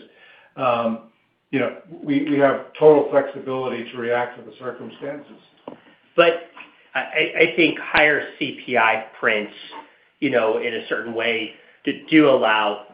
you know, we have total flexibility to react to the circumstances. I think higher CPI prints, you know, in a certain way do allow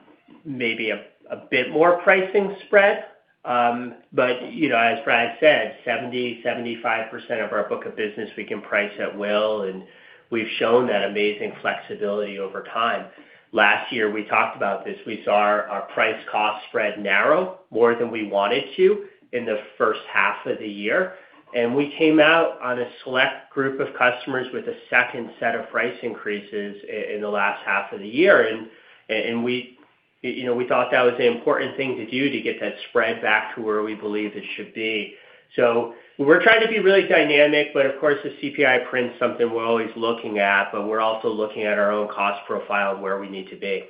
maybe a bit more pricing spread. You know, as Brad said, 70%-75% of our book of business we can price at will, and we've shown that amazing flexibility over time. Last year, we talked about this. We saw our price cost spread narrow more than we wanted to in the first half of the year, and we came out on a select group of customers with a second set of price increases in the last half of the year. And we, you know, we thought that was the important thing to do to get that spread back to where we believe it should be. We're trying to be really dynamic, but of course, the CPI print is something we're always looking at, but we're also looking at our own cost profile and where we need to be.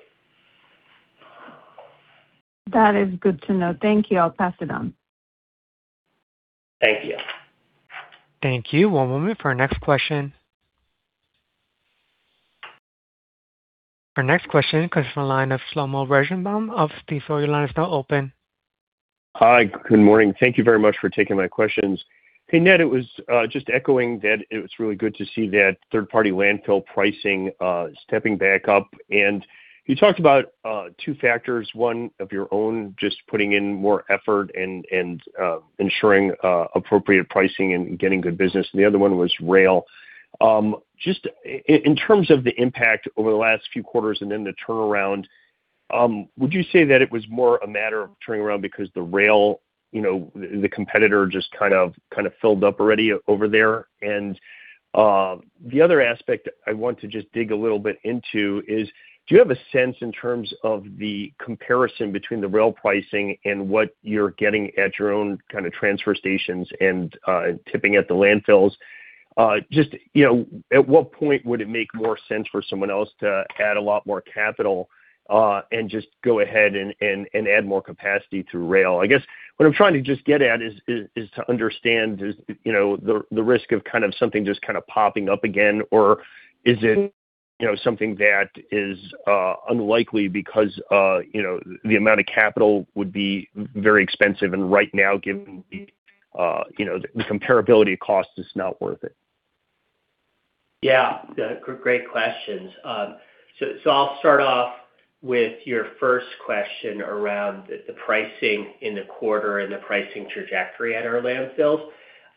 That is good to know. Thank you. I'll pass it on. Thank you. Thank you. One moment for our next question. Our next question comes from the line of Shlomo Rosenbaum of Stifel. Your line is now open. Hi. Good morning. Thank you very much for taking my questions. Hey, Ned, it was just echoing that it was really good to see that third-party landfill pricing stepping back up. You talked about two factors, one of your own, just putting in more effort and ensuring appropriate pricing and getting good business, and the other one was rail. Just in terms of the impact over the last few quarters and then the turnaround, would you say that it was more a matter of turning around because the rail, you know, the competitor just kind of filled up already over there? The other aspect I want to just dig a little bit into is, do you have a sense in terms of the comparison between the rail pricing and what you're getting at your own kinda transfer stations and tipping at the landfills? Just, you know, at what point would it make more sense for someone else to add a lot more capital and just go ahead and add more capacity to rail? I guess what I'm trying to just get at is to understand, you know, the risk of something just popping up again, or is it, you know, something that is unlikely because, you know, the amount of capital would be very expensive and right now given, you know, the comparability cost is not worth it. Yeah. Great questions. So I'll start off with your first question around the pricing in the quarter and the pricing trajectory at our landfills.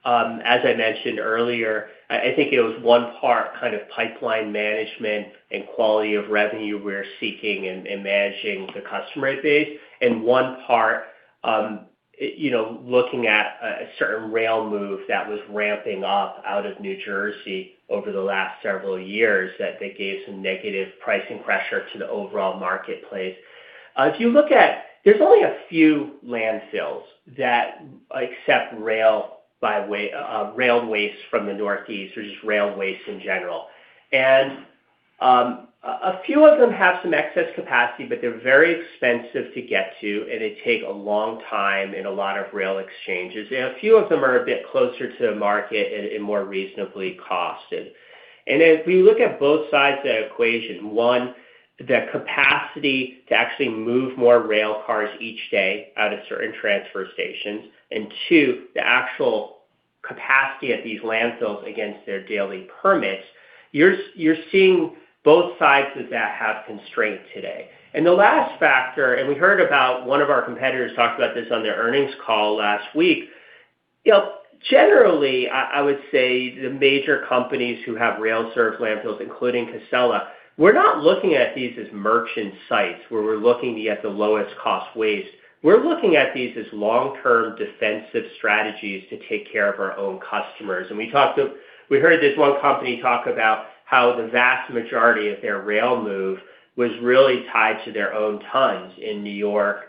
As I mentioned earlier, I think it was one part kind of pipeline management and quality of revenue we're seeking and managing the customer base, and one part, you know, looking at a certain rail move that was ramping up out of New Jersey over the last several years that they gave some negative pricing pressure to the overall marketplace. There's only a few landfills that accept rail waste from the Northeast or just rail waste in general. A few of them have some excess capacity, but they're very expensive to get to, and they take a long time and a lot of rail exchanges. A few of them are a bit closer to the market and more reasonably costed. If we look at both sides of the equation, one, the capacity to actually move more rail cars each day out of certain transfer stations, and two, the actual capacity at these landfills against their daily permits. You're seeing both sides of that have constraint today. The last factor, and we heard about one of our competitors talk about this on their earnings call last week. You know, generally, I would say the major companies who have rail served landfills, including Casella, we're not looking at these as merchant sites where we're looking to get the lowest cost waste. We're looking at these as long-term defensive strategies to take care of our own customers. We talked, we heard this one company talk about how the vast majority of their rail move was really tied to their own tons in New York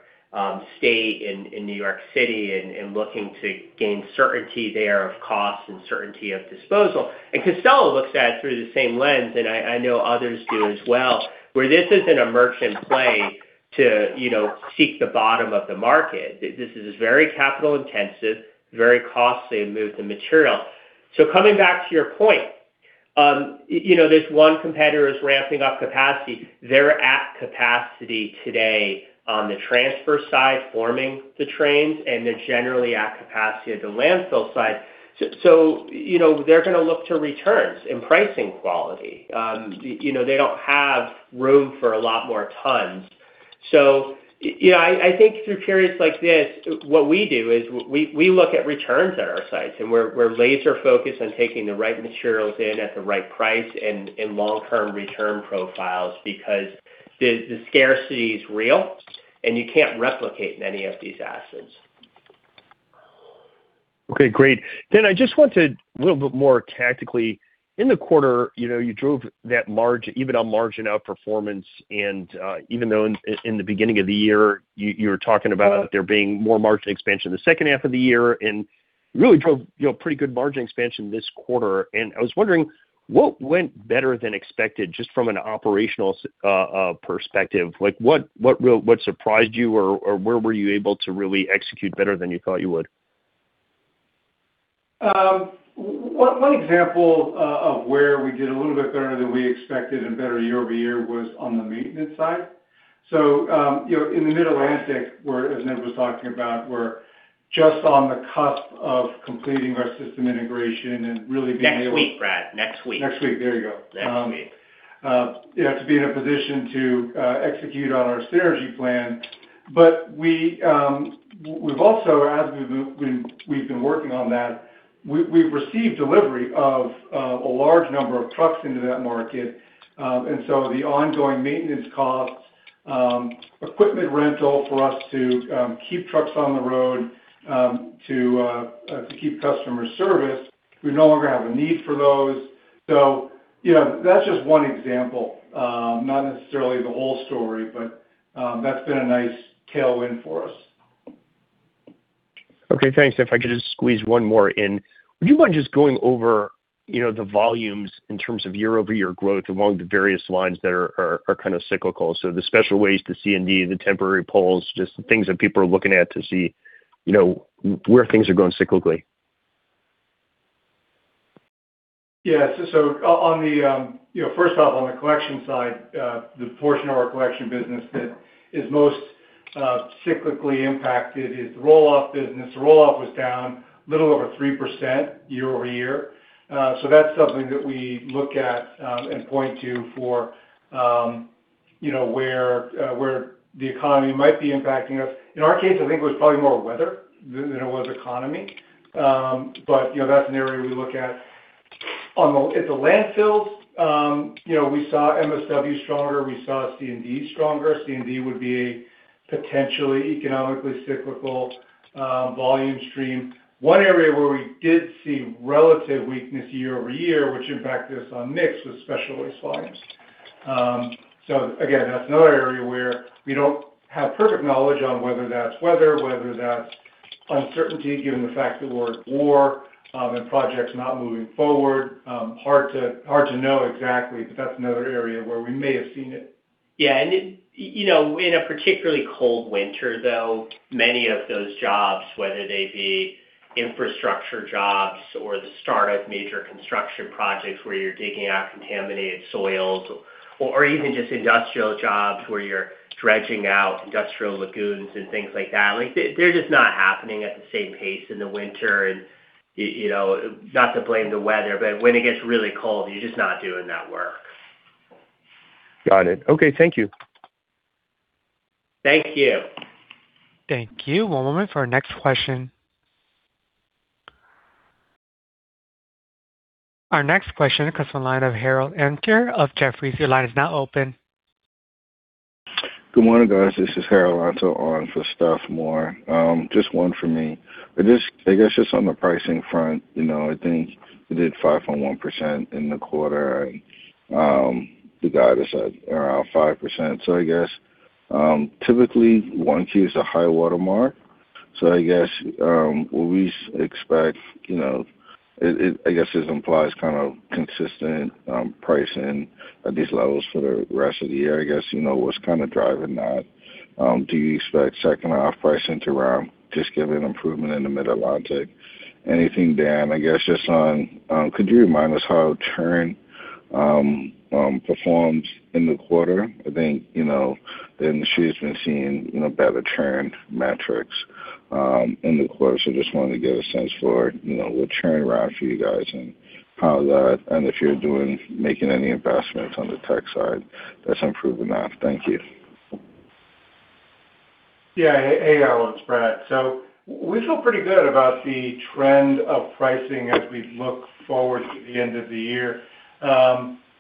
state, in New York City, and looking to gain certainty there of costs and certainty of disposal. Casella looks at it through the same lens, and I know others do as well, where this isn't a merchant play to, you know, seek the bottom of the market. This is very capital-intensive, very costly to move the material. Coming back to your point, you know, this one competitor is ramping up capacity. They're at capacity today on the transfer side, forming the trains, and they're generally at capacity at the landfill site. You know, they're gonna look to returns and pricing quality. You know, they don't have room for a lot more tons. Yeah, I think through periods like this, what we do is we look at returns at our sites, and we're laser-focused on taking the right materials in at the right price and long-term return profiles because the scarcity is real, and you can't replicate many of these assets. Okay, great. I just want to, a little bit more tactically, in the quarter, you know, you drove that margin, EBITDA margin outperformance, and even though in the beginning of the year, you were talking about there being more margin expansion in the second half of the year and really drove, you know, pretty good margin expansion this quarter. I was wondering, what went better than expected just from an operational perspective? Like, what really surprised you or where were you able to really execute better than you thought you would? One example of where we did a little bit better than we expected and better year-over-year was on the maintenance side. You know, in the Mid-Atlantic, we're, as Ned was talking about, we're just on the cusp of completing our system integration and really being able- Next week, Brad. Next week. Next week. There you go. Next week. You know, to be in a position to execute on our synergy plan. We've also, as we've been working on that, we've received delivery of a large number of trucks into that market. The ongoing maintenance costs, equipment rental for us to keep trucks on the road, to keep customer service, we no longer have a need for those. You know, that's just one example, not necessarily the whole story, but that's been a nice tailwind for us. Okay. Thanks. If I could just squeeze one more in. Would you mind just going over, you know, the volumes in terms of year-over-year growth along the various lines that are kind of cyclical? The special waste to C&D, the temporary pulls, just things that people are looking at to see, you know, where things are going cyclically. Yeah. on the, you know, first off, on the collection side, the portion of our collection business that is most cyclically impacted is the roll-off business. The roll-off was down a little over 3% year-over-year. That's something that we look at and point to for, you know, where the economy might be impacting us. In our case, I think it was probably more weather than it was economy. You know, that's an area we look at. At the landfills, you know, we saw MSW stronger, we saw C&D stronger. C&D would be a potentially economically cyclical volume stream. One area where we did see relative weakness year-over-year, which impacted us on mix, was special waste volumes. Again, that's another area where we don't have perfect knowledge on whether that's weather, whether that's uncertainty given the fact that we're at war, and projects not moving forward. Hard to know exactly, but that's another area where we may have seen it. Yeah. You know, in a particularly cold winter, though, many of those jobs, whether they be infrastructure jobs or the start of major construction projects where you're digging out contaminated soils or even just industrial jobs where you're dredging out industrial lagoons and things like that, like, they're just not happening at the same pace in the winter. You know, not to blame the weather, but when it gets really cold, you're just not doing that work. Got it. Okay, thank you. Thank you. Thank you. One moment for our next question. Our next question comes from the line of Harold Lanto of Jefferies. Your line is now open. Good morning, guys. This is Harold on for Steph Moore. Just one for me. I guess just on the pricing front, you know, I think you did 5.1% in the quarter, the guidance at around 5%. I guess, typically, 1Q is a high-water mark. I guess, will we expect, you know, I guess this implies kind of consistent pricing at these levels for the rest of the year. I guess, you know, what's kind of driving that? Do you expect second half pricing to ramp just given improvement in the Mid-Atlantic? Anything, Dan, I guess just on, could you remind us how trends performed in the quarter. I think, you know, the industry has been seeing, you know, better trend metrics in the quarter. Just wanted to get a sense for, you know, the turnaround for you guys and how that, if you're making any investments on the tech side that's improving that. Thank you. Hey, Harold, it's Brad. We feel pretty good about the trend of pricing as we look forward to the end of the year.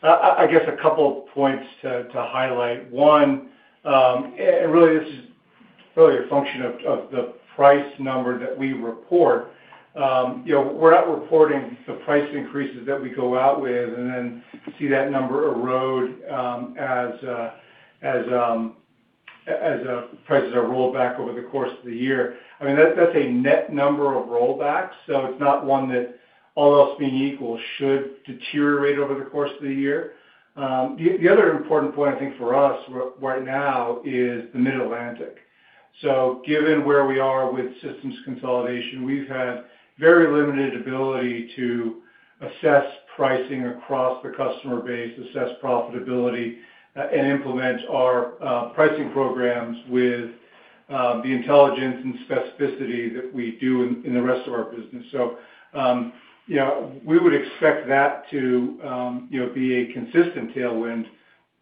I guess a couple points to highlight. One, really this is a function of the price number that we report. You know, we're not reporting the price increases that we go out with and then see that number erode as prices are rolled back over the course of the year. I mean, that's a net number of rollbacks, it's not one that, all else being equal, should deteriorate over the course of the year. The other important point I think for us right now is the Mid-Atlantic. Given where we are with systems consolidation, we've had very limited ability to assess pricing across the customer base, assess profitability, and implement our pricing programs with the intelligence and specificity that we do in the rest of our business. You know, we would expect that to, you know, be a consistent tailwind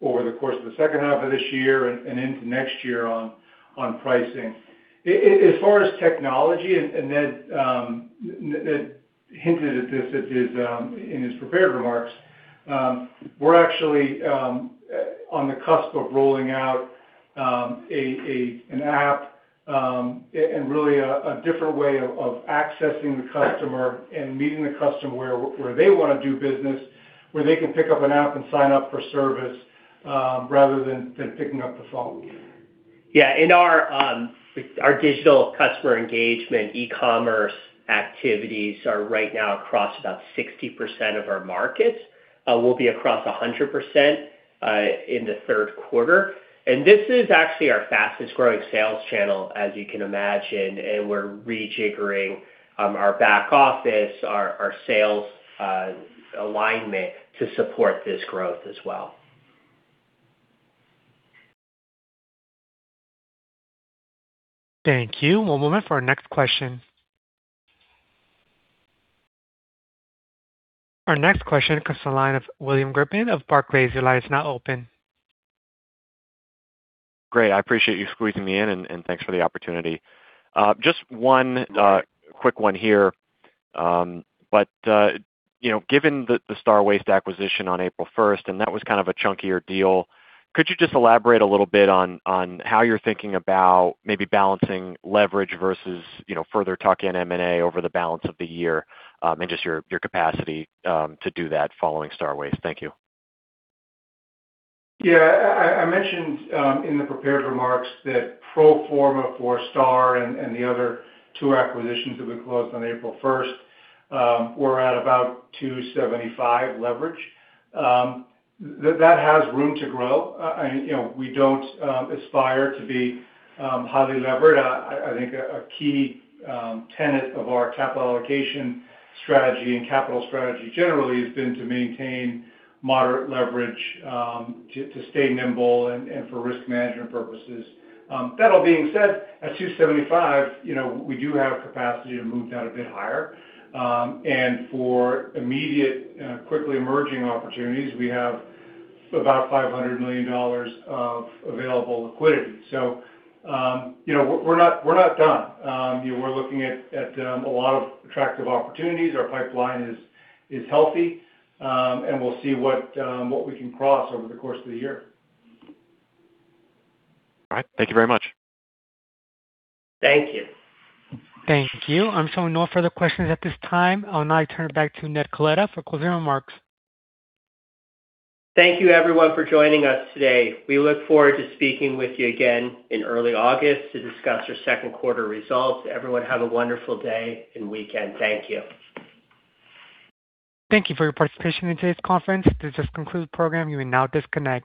over the course of the second half of this year and into next year on pricing. As far as technology, and Ned hinted at this at his in his prepared remarks, we're actually on the cusp of rolling out an app, and really a different way of accessing the customer and meeting the customer where they wanna do business, where they can pick up an app and sign up for service rather than picking up the phone. Yeah. In our digital customer engagement, e-commerce activities are right now across about 60% of our markets, will be across 100% in the third quarter. This is actually our fastest growing sales channel, as you can imagine, and we're rejiggering our back office, our sales alignment to support this growth as well. Thank you. One moment for our next question. Our next question comes to the line of William Grippin of Barclays. Your line is now open. Great. I appreciate you squeezing me in and thanks for the opportunity. Just one quick one here. You know, given the Star Waste acquisition on April 1st, and that was kind of a chunkier deal, could you just elaborate a little bit on how you're thinking about maybe balancing leverage versus, you know, further tuck-in M&A over the balance of the year, and just your capacity to do that following Star Waste? Thank you. Yeah. I mentioned in the prepared remarks that pro forma for Star and the other two acquisitions that we closed on April 1st, were at about 2.75x leverage. That has room to grow. You know, we don't aspire to be highly levered. I think a key tenet of our capital allocation strategy and capital strategy generally has been to maintain moderate leverage to stay nimble and for risk management purposes. That all being said, at 2.75x, you know, we do have capacity to move that a bit higher. For immediate, quickly emerging opportunities, we have about $500 million of available liquidity. You know, we're not done. You know, we're looking at a lot of attractive opportunities. Our pipeline is healthy. We'll see what we can cross over the course of the year. All right. Thank you very much. Thank you. Thank you. I'm showing no further questions at this time. I'll now turn it back to Ned Coletta for closing remarks. Thank you everyone for joining us today. We look forward to speaking with you again in early August to discuss our second quarter results. Everyone have a wonderful day and weekend. Thank you. Thank you for your participation in today's conference. This just concludes the program. You may now disconnect.